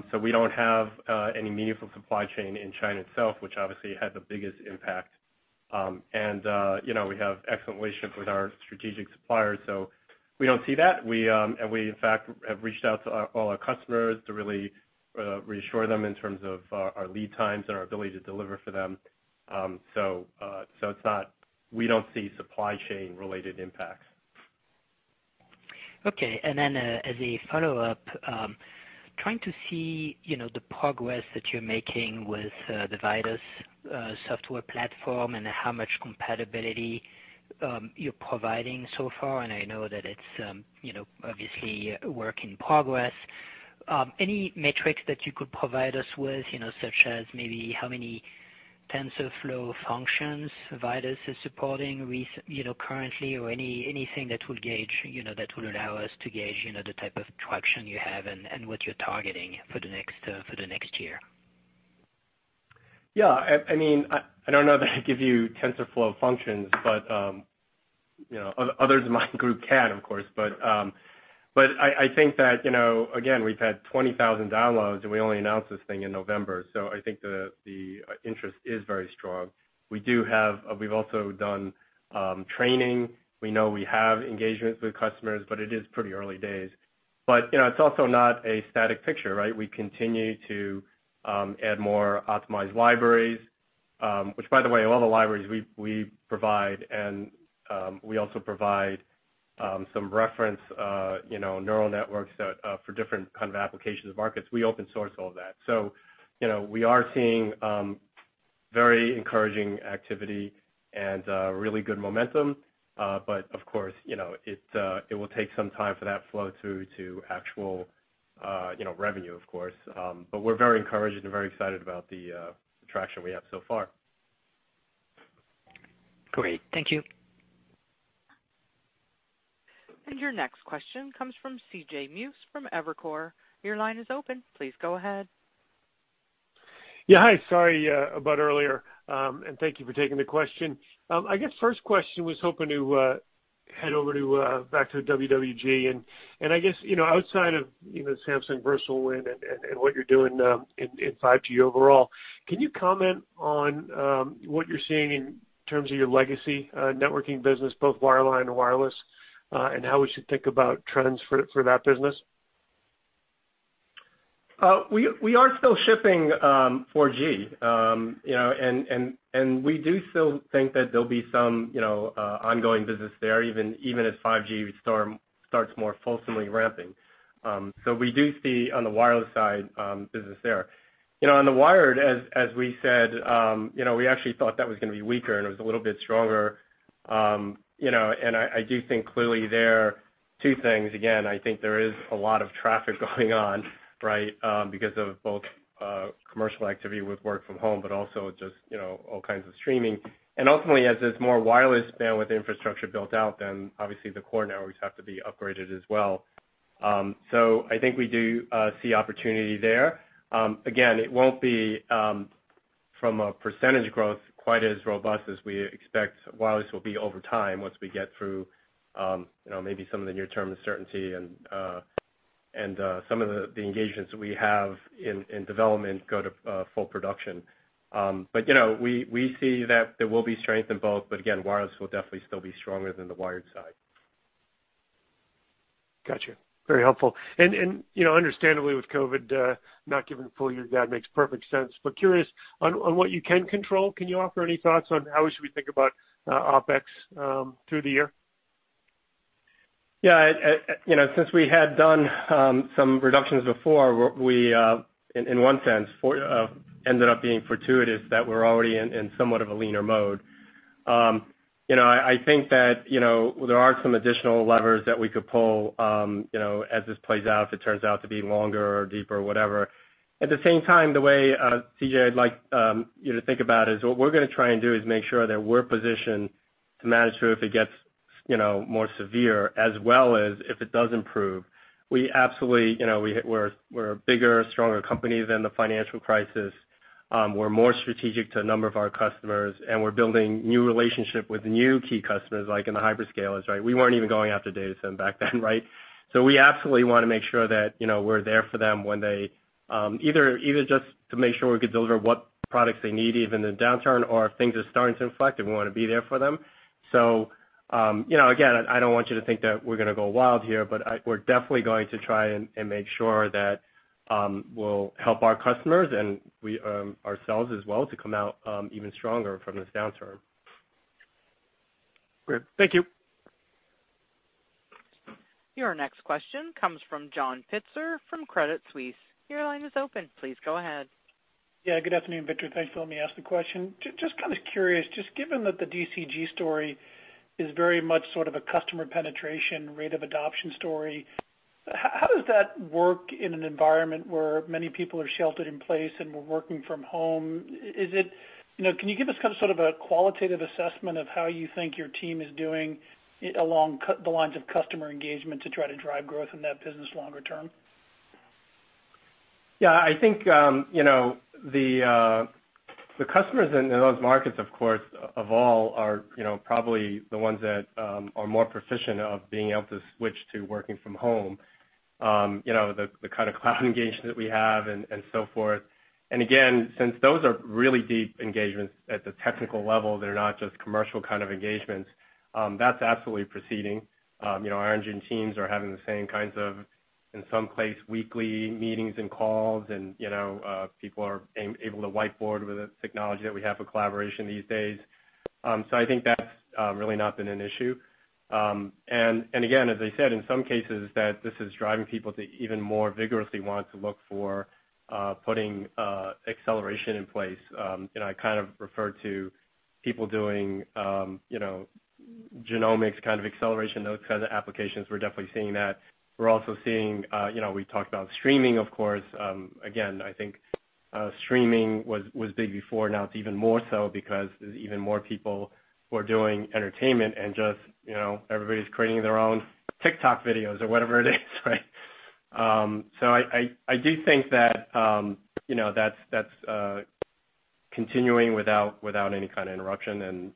S3: Still, we don't have any meaningful supply chain in China itself, which obviously had the biggest impact. We have excellent relationships with our strategic suppliers, so we don't see that. We, in fact, have reached out to all our customers to really reassure them in terms of our lead times and our ability to deliver for them. We don't see supply chain-related impacts.
S10: Okay. As a follow-up, trying to see the progress that you're making with the Vitis software platform and how much compatibility you're providing so far, and I know that it's obviously a work in progress. Any metrics that you could provide us with, such as maybe how many TensorFlow functions Vitis is supporting currently or anything that will allow us to gauge the type of traction you have and what you're targeting for the next year?
S3: Yeah. I don't know that I can give you TensorFlow functions, others in my group can, of course. I think that, again, we've had 20,000 downloads, and we only announced this thing in November. I think the interest is very strong. We've also done training. We know we have engagement with customers, it is pretty early days. It's also not a static picture, right? We continue to add more optimized libraries. By the way, a lot of the libraries we provide and we also provide some reference neural networks for different kind of applications markets. We open source all of that. We are seeing very encouraging activity and really good momentum. Of course, it will take some time for that flow through to actual revenue, of course. We're very encouraged and very excited about the traction we have so far.
S10: Great. Thank you.
S1: Your next question comes from C.J. Muse from Evercore. Your line is open. Please go ahead.
S11: Yeah. Hi. Sorry about earlier. Thank you for taking the question. I guess first question was hoping to head over back to WWG, and I guess, outside of the Samsung Versal win and what you're doing in 5G overall, can you comment on what you're seeing in terms of your legacy networking business, both wireline and wireless, and how we should think about trends for that business?
S3: We are still shipping 4G, and we do still think that there'll be some ongoing business there, even as 5G starts more fulsomely ramping. We do see, on the wireless side, business there. On the wired, as we said, we actually thought that was going to be weaker, and it was a little bit stronger. I do think clearly there are two things. Again, I think there is a lot of traffic going on, because of both commercial activity with work from home, but also just all kinds of streaming. Ultimately, as there's more wireless bandwidth infrastructure built out, then obviously the core networks have to be upgraded as well. I think we do see opportunity there. Again, it won't be from a percentage growth quite as robust as we expect wireless will be over time once we get through maybe some of the near-term uncertainty and some of the engagements we have in development go to full production. We see that there will be strength in both, but again, wireless will definitely still be stronger than the wired side.
S11: Got you. Very helpful. Understandably with COVID, not giving full year guide makes perfect sense. Curious, on what you can control, can you offer any thoughts on how we should we think about OpEx through the year?
S3: Yeah. Since we had done some reductions before, we, in one sense, ended up being fortuitous that we're already in somewhat of a leaner mode. I think that there are some additional levers that we could pull as this plays out, if it turns out to be longer or deeper or whatever. The way, C.J., I'd like you to think about is what we're going to try and do is make sure that we're positioned to manage through if it gets more severe, as well as if it does improve. We're a bigger, stronger company than the financial crisis. We're more strategic to a number of our customers, and we're building new relationship with new key customers, like in the hyperscalers. We weren't even going after data center back then, right? We absolutely want to make sure that we're there for them either just to make sure we could deliver what products they need, even in a downturn, or if things are starting to inflect, and we want to be there for them. Again, I don't want you to think that we're going to go wild here, but we're definitely going to try and make sure that we'll help our customers and ourselves as well to come out even stronger from this downturn.
S11: Great. Thank you.
S1: Your next question comes from John Pitzer from Credit Suisse. Your line is open. Please go ahead.
S12: Good afternoon, Victor. Thanks for letting me ask the question. Just curious, just given that the DCG story is very much sort of a customer penetration rate of adoption story, how does that work in an environment where many people are sheltered in place and were working from home? Can you give us sort of a qualitative assessment of how you think your team is doing along the lines of customer engagement to try to drive growth in that business longer term?
S3: I think the customers in those markets, of course, of all are probably the ones that are more proficient of being able to switch to working from home. The kind of cloud engagement that we have and so forth. Again, since those are really deep engagements at the technical level, they're not just commercial kind of engagements, that's absolutely proceeding. Our engine teams are having the same kinds of, in some place, weekly meetings and calls and people are able to whiteboard with the technology that we have for collaboration these days. I think that's really not been an issue. Again, as I said, in some cases that this is driving people to even more vigorously want to look for putting acceleration in place. I kind of refer to people doing genomics kind of acceleration, those kinds of applications. We're definitely seeing that. We're also seeing, we talked about streaming, of course. I think streaming was big before. Now it's even more so because there's even more people who are doing entertainment and just everybody's creating their own TikTok videos or whatever it is, right? I do think that's continuing without any kind of interruption.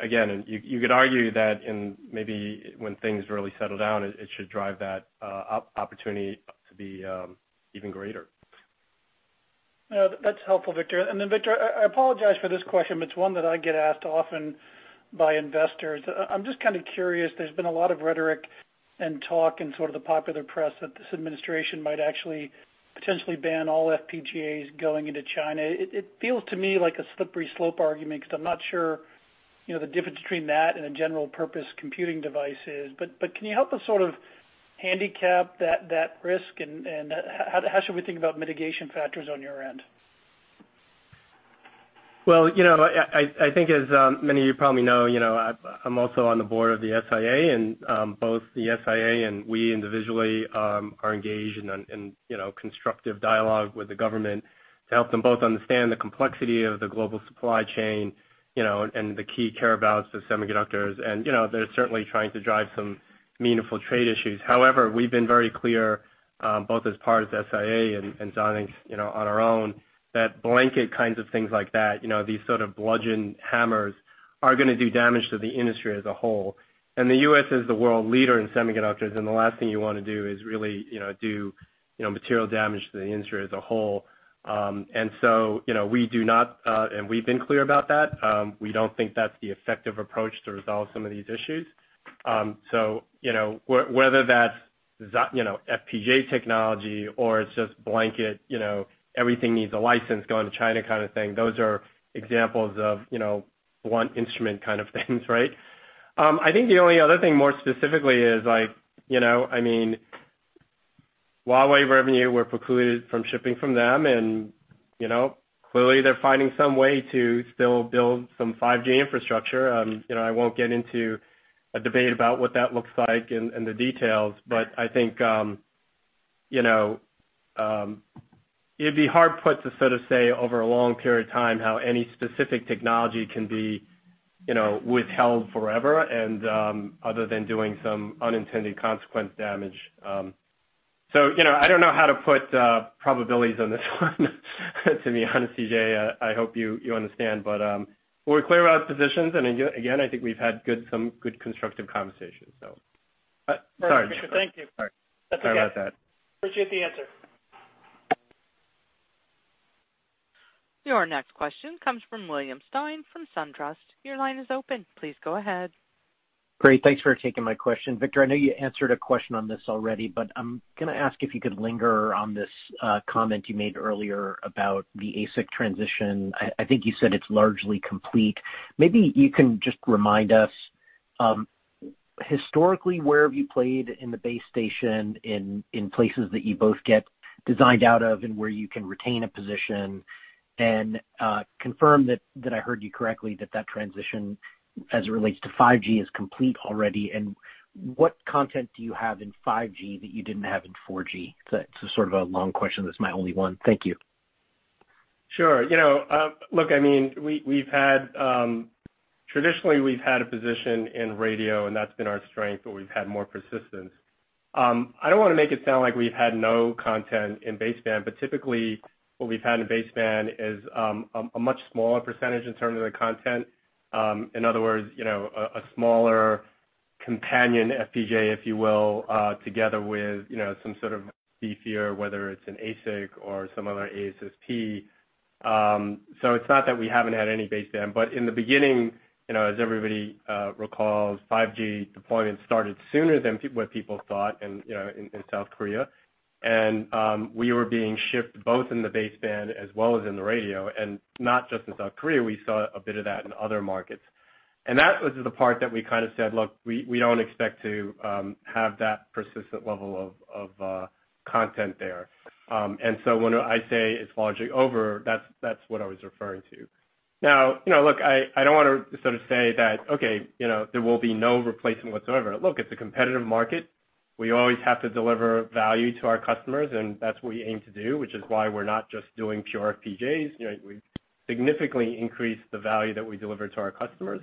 S3: Again, you could argue that in maybe when things really settle down, it should drive that opportunity to be even greater.
S12: That's helpful, Victor. Victor, I apologize for this question, but it's one that I get asked often by investors. I'm just kind of curious, there's been a lot of rhetoric and talk in sort of the popular press that this administration might actually potentially ban all FPGAs going into China. It feels to me like a slippery slope argument, because I'm not sure the difference between that and a general purpose computing device is. Can you help us sort of handicap that risk and how should we think about mitigation factors on your end?
S3: Well, I think as many of you probably know, I'm also on the board of the SIA. Both the SIA and we individually are engaged in constructive dialogue with the government to help them both understand the complexity of the global supply chain and the key care abouts of semiconductors. They're certainly trying to drive some meaningful trade issues. However, we've been very clear, both as part of SIA and Xilinx on our own, that blanket kinds of things like that, these sort of bludgeon hammers are going to do damage to the industry as a whole. The U.S. is the world leader in semiconductors, and the last thing you want to do is really do material damage to the industry as a whole. We've been clear about that. We don't think that's the effective approach to resolve some of these issues. Whether that's FPGA technology or it's just blanket, everything needs a license, go into China kind of thing. Those are examples of one instrument kind of things, right? I think the only other thing more specifically is Huawei revenue. We're precluded from shipping from them, and clearly they're finding some way to still build some 5G infrastructure. I won't get into a debate about what that looks like and the details, but I think it'd be hard put to say over a long period of time how any specific technology can be withheld forever other than doing some unintended consequence damage. I don't know how to put probabilities on this one to be honest, C.J. I hope you understand, but we're clear about positions. Again, I think we've had some good constructive conversations.
S12: Thank you.
S3: Sorry. Sorry about that.
S12: That's okay. Appreciate the answer.
S1: Your next question comes from William Stein from SunTrust. Your line is open. Please go ahead.
S13: Great. Thanks for taking my question. Victor, I know you answered a question on this already, but I'm going to ask if you could linger on this comment you made earlier about the ASIC transition. I think you said it's largely complete. Maybe you can just remind us, historically, where have you played in the base station in places that you both get designed out of and where you can retain a position and confirm that I heard you correctly that transition as it relates to 5G is complete already. What content do you have in 5G that you didn't have in 4G? Sort of a long question. That's my only one. Thank you.
S3: Sure. Traditionally, we've had a position in radio, and that's been our strength, where we've had more persistence. I don't want to make it sound like we've had no content in baseband, but typically what we've had in baseband is a much smaller percentage in terms of the content. In other words, a smaller companion FPGA, if you will, together with some sort of beefier, whether it's an ASIC or some other ASSP. It's not that we haven't had any baseband, but in the beginning, as everybody recalls, 5G deployment started sooner than what people thought in South Korea. We were being shipped both in the baseband as well as in the radio, and not just in South Korea. We saw a bit of that in other markets. That was the part that we kind of said, look, we don't expect to have that persistent level of content there. When I say it's largely over, that's what I was referring to. I don't want to sort of say that, okay, there will be no replacement whatsoever. Look, it's a competitive market. We always have to deliver value to our customers, and that's what we aim to do, which is why we're not just doing pure FPGAs. We've significantly increased the value that we deliver to our customers,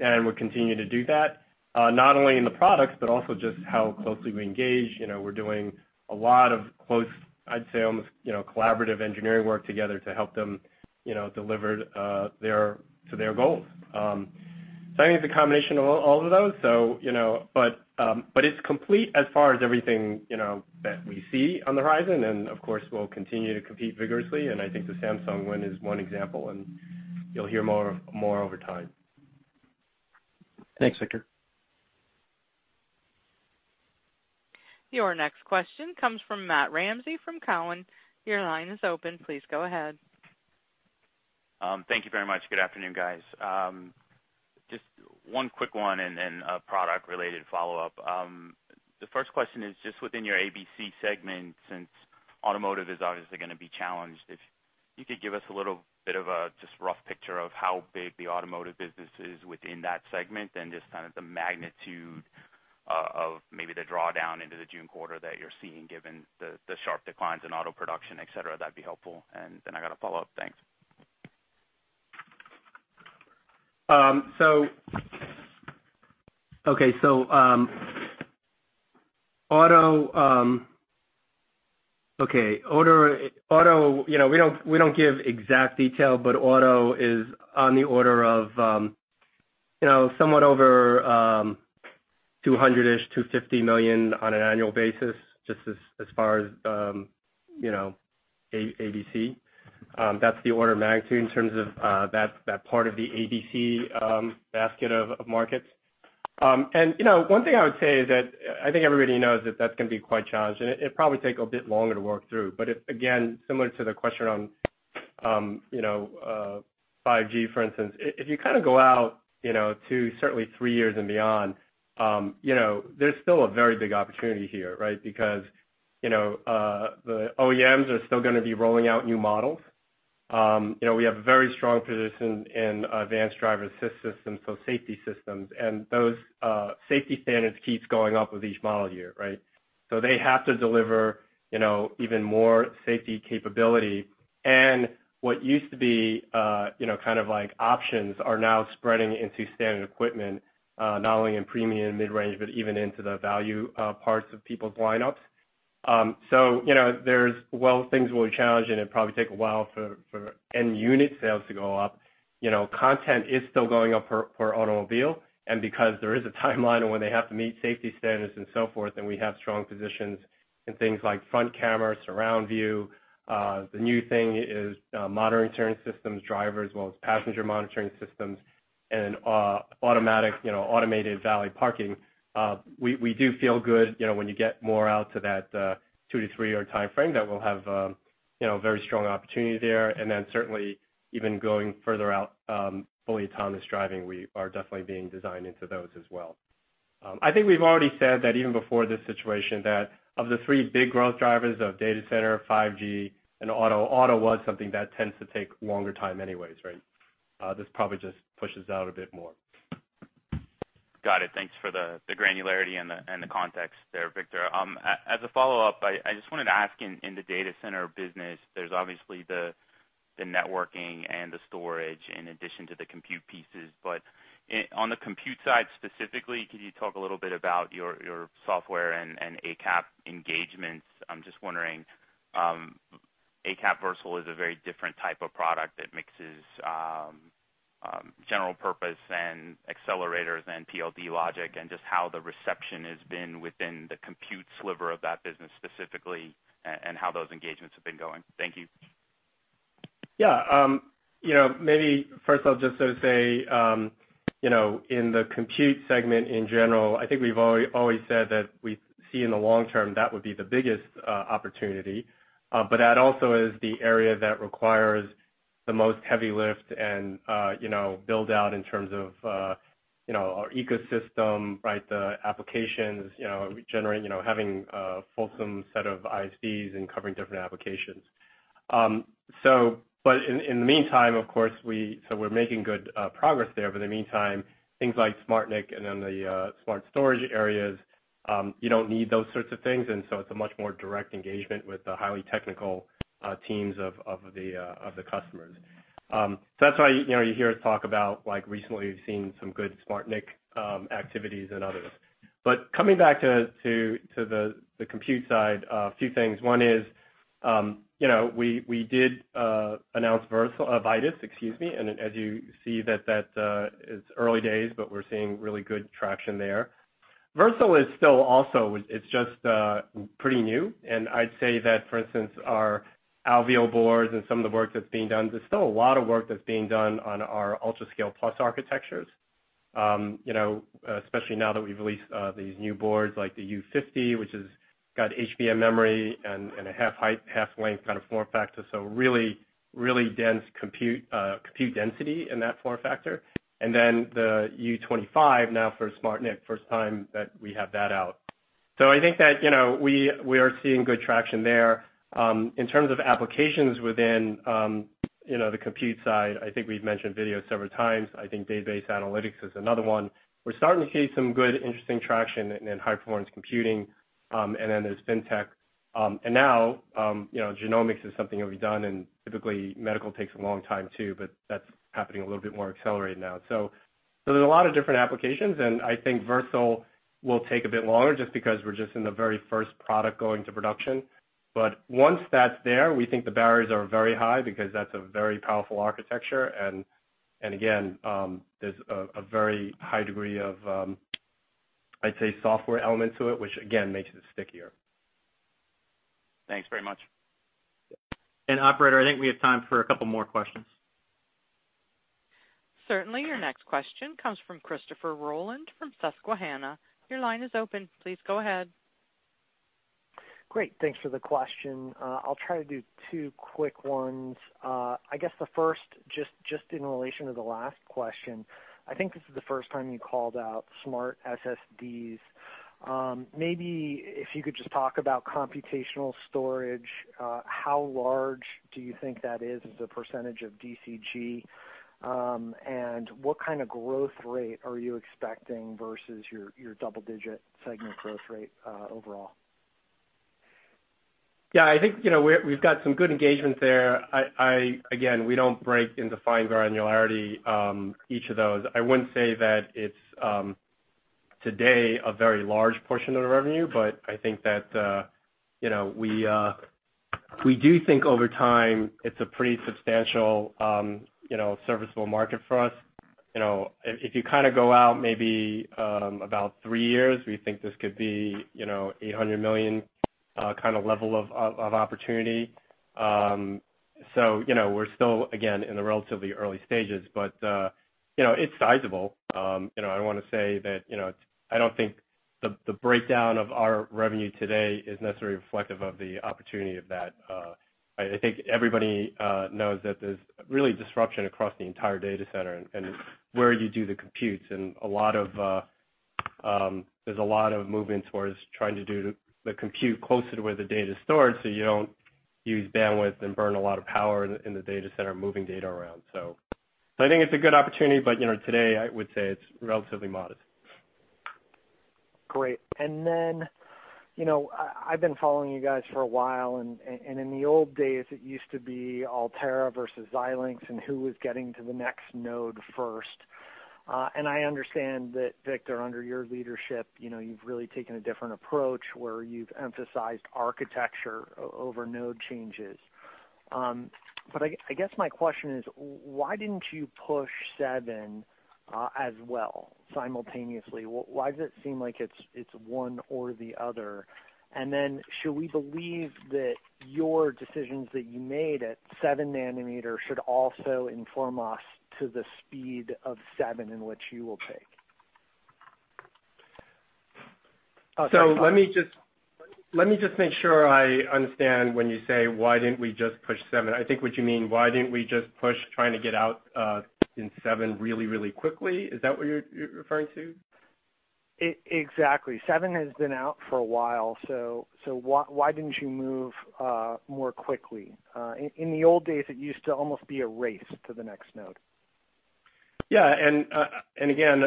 S3: and we continue to do that, not only in the products but also just how closely we engage. We're doing a lot of close, I'd say almost collaborative engineering work together to help them deliver to their goals. I think it's a combination of all of those. It's complete as far as everything that we see on the horizon. Of course, we'll continue to compete vigorously. I think the Samsung win is one example, and you'll hear more over time.
S13: Thanks, Victor.
S1: Your next question comes from Matthew Ramsay from Cowen. Your line is open. Please go ahead.
S14: Thank you very much. Good afternoon, guys. Just one quick one and then a product-related follow-up. The first question is just within your ABC segment, since automotive is obviously going to be challenged, if you could give us a little bit of a just rough picture of how big the automotive business is within that segment and just kind of the magnitude of maybe the drawdown into the June quarter that you're seeing given the sharp declines in auto production, et cetera, that'd be helpful. I got a follow-up. Thanks.
S3: Okay, we don't give exact detail, but auto is on the order of somewhat over 200-ish, $250 million on an annual basis, just as far as ABC. That's the order of magnitude in terms of that part of the ABC basket of markets. One thing I would say is that I think everybody knows that that's going to be quite challenging. It'll probably take a bit longer to work through. Similar to the question on 5G, for instance, if you kind of go out to certainly three years and beyond, there's still a very big opportunity here, right? The OEMs are still going to be rolling out new models. We have a very strong position in advanced driver assist systems, so safety systems, and those safety standards keeps going up with each model year, right? They have to deliver even more safety capability. What used to be kind of like options are now spreading into standard equipment, not only in premium mid-range, but even into the value parts of people's lineups. While things will be challenging and probably take a while for end unit sales to go up, content is still going up per automobile. There is a timeline on when they have to meet safety standards and so forth, and we have strong positions in things like front camera, surround view. The new thing is monitoring systems, driver as well as passenger monitoring systems, and automated valet parking. We do feel good when you get more out to that two to three-year timeframe that we'll have a very strong opportunity there. Certainly even going further out, fully autonomous driving, we are definitely being designed into those as well. I think we've already said that even before this situation, that of the three big growth drivers of data center, 5G, and auto was something that tends to take longer time anyways, right? This probably just pushes out a bit more.
S14: Got it. Thanks for the granularity and the context there, Victor. As a follow-up, I just wanted to ask in the data center business, there's obviously the networking and the storage in addition to the compute pieces, but on the compute side specifically, could you talk a little bit about your software and ACAP engagements? I'm just wondering, ACAP Versal is a very different type of product that mixes general purpose and accelerators and PLD logic, and just how the reception has been within the compute sliver of that business specifically, and how those engagements have been going. Thank you.
S3: Maybe first I'll just say, in the compute segment in general, I think we've always said that we see in the long term, that would be the biggest opportunity. That also is the area that requires the most heavy lift and build out in terms of our ecosystem, the applications, having a fulsome set of ISVs and covering different applications. In the meantime, of course, we're making good progress there, but in the meantime, things like SmartNIC and then the smart storage areas, you don't need those sorts of things, it's a much more direct engagement with the highly technical teams of the customers. That's why you hear us talk about, like recently, we've seen some good SmartNIC activities and others. Coming back to the compute side, a few things. One is, we did announce Vitis, excuse me, as you see it's early days, but we're seeing really good traction there. Versal is still also pretty new, and I'd say that, for instance, our Alveo boards and some of the work that's being done, there's still a lot of work that's being done on our UltraScale+ architectures. Especially now that we've released these new boards like the U50, which has got HBM memory and a half height, half length kind of form factor. Really dense compute density in that form factor. The U25 now for SmartNIC, first time that we have that out. I think that we are seeing good traction there. In terms of applications within the compute side, I think we've mentioned video several times. I think database analytics is another one. We're starting to see some good, interesting traction in high-performance computing. There's FinTech. Now, genomics is something that we've done, and typically medical takes a long time too, but that's happening a little bit more accelerated now. There's a lot of different applications, and I think Versal will take a bit longer just because we're just in the very first product going to production. Once that's there, we think the barriers are very high because that's a very powerful architecture, and again, there's a very high degree of, I'd say, software element to it, which again, makes it stickier.
S14: Thanks very much.
S3: Operator, I think we have time for a couple more questions.
S1: Certainly. Your next question comes from Christopher Rolland from Susquehanna. Your line is open. Please go ahead.
S15: Great. Thanks for the question. I will try to do two quick ones. I guess the first, just in relation to the last question, I think this is the first time you called out SmartSSDs. Maybe if you could just talk about computational storage, how large do you think that is as a percentage of DCG? What kind of growth rate are you expecting versus your double-digit segment growth rate overall?
S3: Yeah, I think we've got some good engagement there. We don't break into fine granularity each of those. I wouldn't say that it's today a very large portion of the revenue, but I think that we do think over time it's a pretty substantial serviceable market for us. If you go out maybe about 3 years, we think this could be $800 million kind of level of opportunity. We're still, again, in the relatively early stages, but it's sizable. I want to say that I don't think the breakdown of our revenue today is necessarily reflective of the opportunity of that. I think everybody knows that there's really disruption across the entire data center and where you do the computes, and there's a lot of movement towards trying to do the compute closer to where the data's stored, so you don't use bandwidth and burn a lot of power in the data center moving data around. I think it's a good opportunity, but today I would say it's relatively modest.
S15: Great. Then, I've been following you guys for a while, and in the old days, it used to be Altera versus Xilinx and who was getting to the next node first. I understand that Victor, under your leadership, you've really taken a different approach where you've emphasized architecture over node changes. I guess my question is, why didn't you push 7 as well simultaneously? Why does it seem like it's one or the other? Then should we believe that your decisions that you made at 7 nanometer should also inform us to the speed of 7 in which you will take?
S3: Let me just make sure I understand when you say why didn't we just push 7. I think what you mean, why didn't we just push trying to get out in 7 really quickly? Is that what you're referring to?
S15: Exactly. 7nm has been out for a while, so why didn't you move more quickly? In the old days, it used to almost be a race to the next node.
S3: Yeah. Again,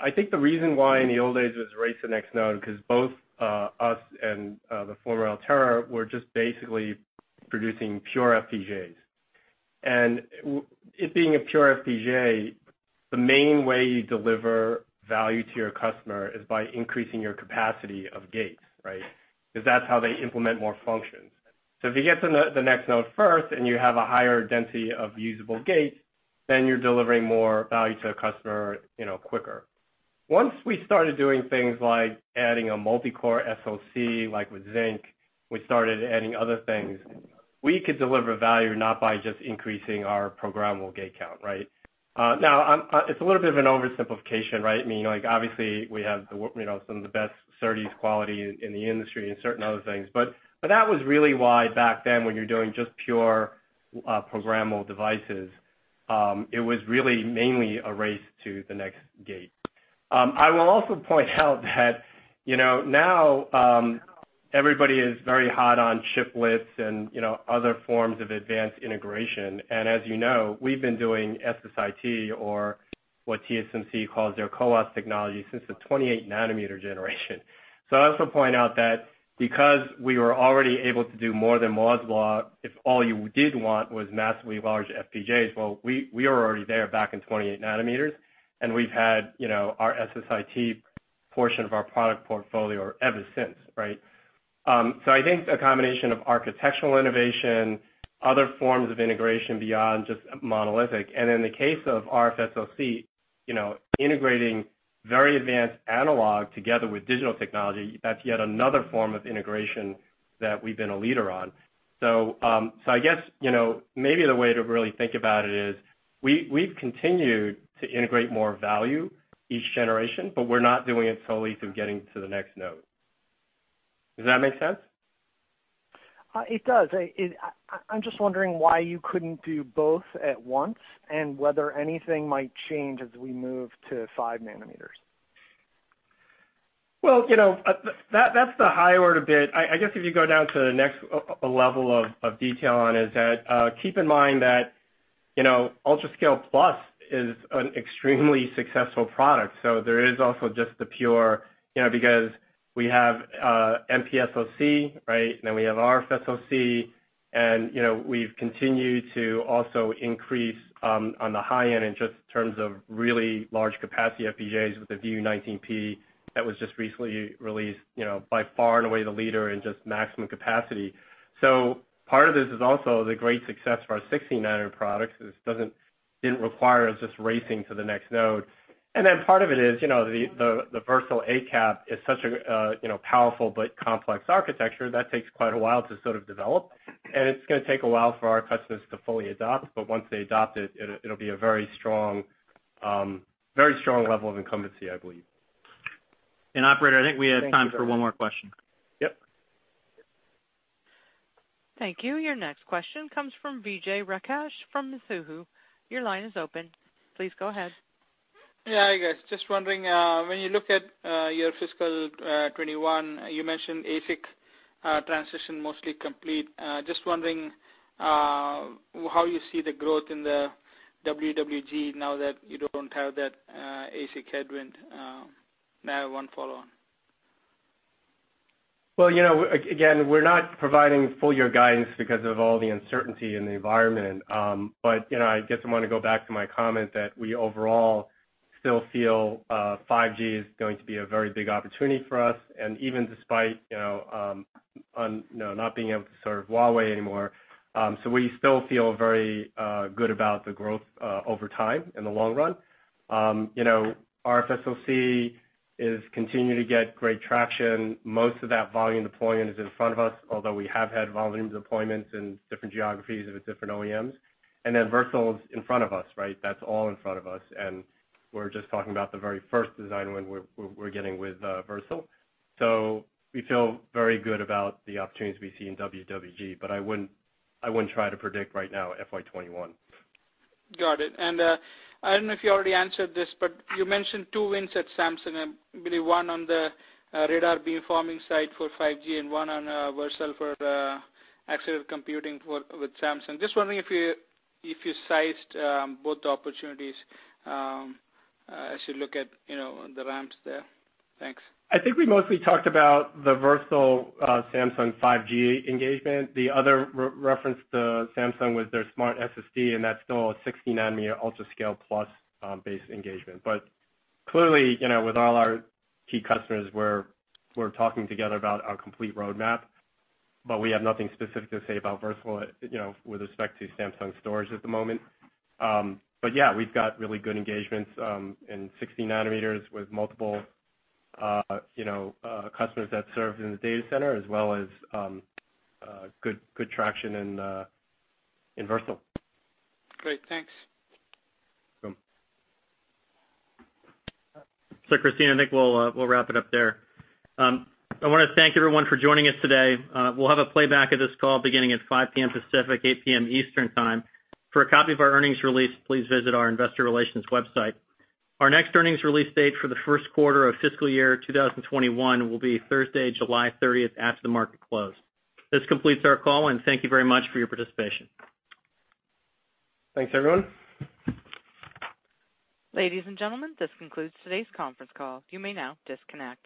S3: I think the reason why in the old days it was a race to the next node, because both us and the former Altera were just basically producing pure FPGAs. It being a pure FPGA, the main way you deliver value to your customer is by increasing your capacity of gates, right? Because that's how they implement more functions. If you get to the next node first and you have a higher density of usable gates, then you're delivering more value to the customer quicker. Once we started doing things like adding a multi-core SoC, like with Zynq, we started adding other things. We could deliver value not by just increasing our programmable gate count, right? Now, it's a little bit of an oversimplification, right? I mean, obviously we have some of the best SERDES quality in the industry and certain other things. That was really why back then, when you're doing just pure programmable devices, it was really mainly a race to the next gate. I will also point out that now everybody is very hot on chiplets and other forms of advanced integration. As you know, we've been doing SSIT or what TSMC calls their CoWoS technology since the 28 nanometer generation. I also point out that because we were already able to do more than Moore's Law, if all you did want was massively large FPGAs, well, we were already there back in 28 nanometers, and we've had our SSIT portion of our product portfolio ever since, right? I think a combination of architectural innovation, other forms of integration beyond just monolithic. In the case of RFSoC, integrating very advanced analog together with digital technology, that's yet another form of integration that we've been a leader on. I guess maybe the way to really think about it is we've continued to integrate more value each generation, but we're not doing it solely through getting to the next node. Does that make sense?
S15: It does. I'm just wondering why you couldn't do both at once, whether anything might change as we move to 5 nanometers.
S3: That's the high order bit. I guess if you go down to the next level of detail on it, keep in mind that UltraScale+ is an extremely successful product. There is also just the pure, because we have MPSoC, right? We have RFSoC, and we've continued to also increase on the high end in just terms of really large capacity FPGAs with the VU19P that was just recently released, by far and away the leader in just maximum capacity. Part of this is also the great success for our 16nm products. It didn't require us just racing to the next node. Part of it is the Versal ACAP is such a powerful but complex architecture that takes quite a while to sort of develop, and it's going to take a while for our customers to fully adopt. Once they adopt it'll be a very strong level of incumbency, I believe.
S2: Operator, I think we have time for one more question.
S3: Yep.
S1: Thank you. Your next question comes from Vijay Rakesh from Mizuho. Your line is open. Please go ahead.
S16: Yeah, hi guys. Just wondering, when you look at your fiscal 2021, you mentioned ASIC transition mostly complete. Just wondering how you see the growth in the WWG now that you don't have that ASIC headwind. I have one follow on.
S3: Well, again, we're not providing full year guidance because of all the uncertainty in the environment. I guess I want to go back to my comment that we overall still feel 5G is going to be a very big opportunity for us, even despite not being able to serve Huawei anymore. We still feel very good about the growth over time in the long run. RFSoC is continuing to get great traction. Most of that volume deployment is in front of us, although we have had volumes deployments in different geographies with different OEMs. Versal is in front of us, right? That's all in front of us, and we're just talking about the very first design win we're getting with Versal. We feel very good about the opportunities we see in WWG, but I wouldn't try to predict right now FY 2021.
S16: Got it. I don't know if you already answered this, you mentioned two wins at Samsung, I believe one on the radar beamforming side for 5G and one on Versal for accelerated computing with Samsung. Just wondering if you sized both the opportunities as you look at the ramps there. Thanks.
S3: I think we mostly talked about the Versal-Samsung 5G engagement. The other reference to Samsung was their SmartSSD, and that's still a 16 nanometer UltraScale+ based engagement. Clearly, with all our key customers, we're talking together about our complete roadmap. We have nothing specific to say about Versal with respect to Samsung storage at the moment. Yeah, we've got really good engagements in 16 nanometers with multiple customers that serve in the data center, as well as good traction in Versal.
S16: Great. Thanks.
S3: Sure.
S2: Christina, I think we'll wrap it up there. I want to thank everyone for joining us today. We'll have a playback of this call beginning at 5:00 P.M. Pacific, 8:00 P.M. Eastern Time. For a copy of our earnings release, please visit our investor relations website. Our next earnings release date for the first quarter of fiscal year 2021 will be Thursday, July 30th, after the market close. This completes our call, thank you very much for your participation.
S3: Thanks, everyone.
S1: Ladies and gentlemen, this concludes today's conference call. You may now disconnect.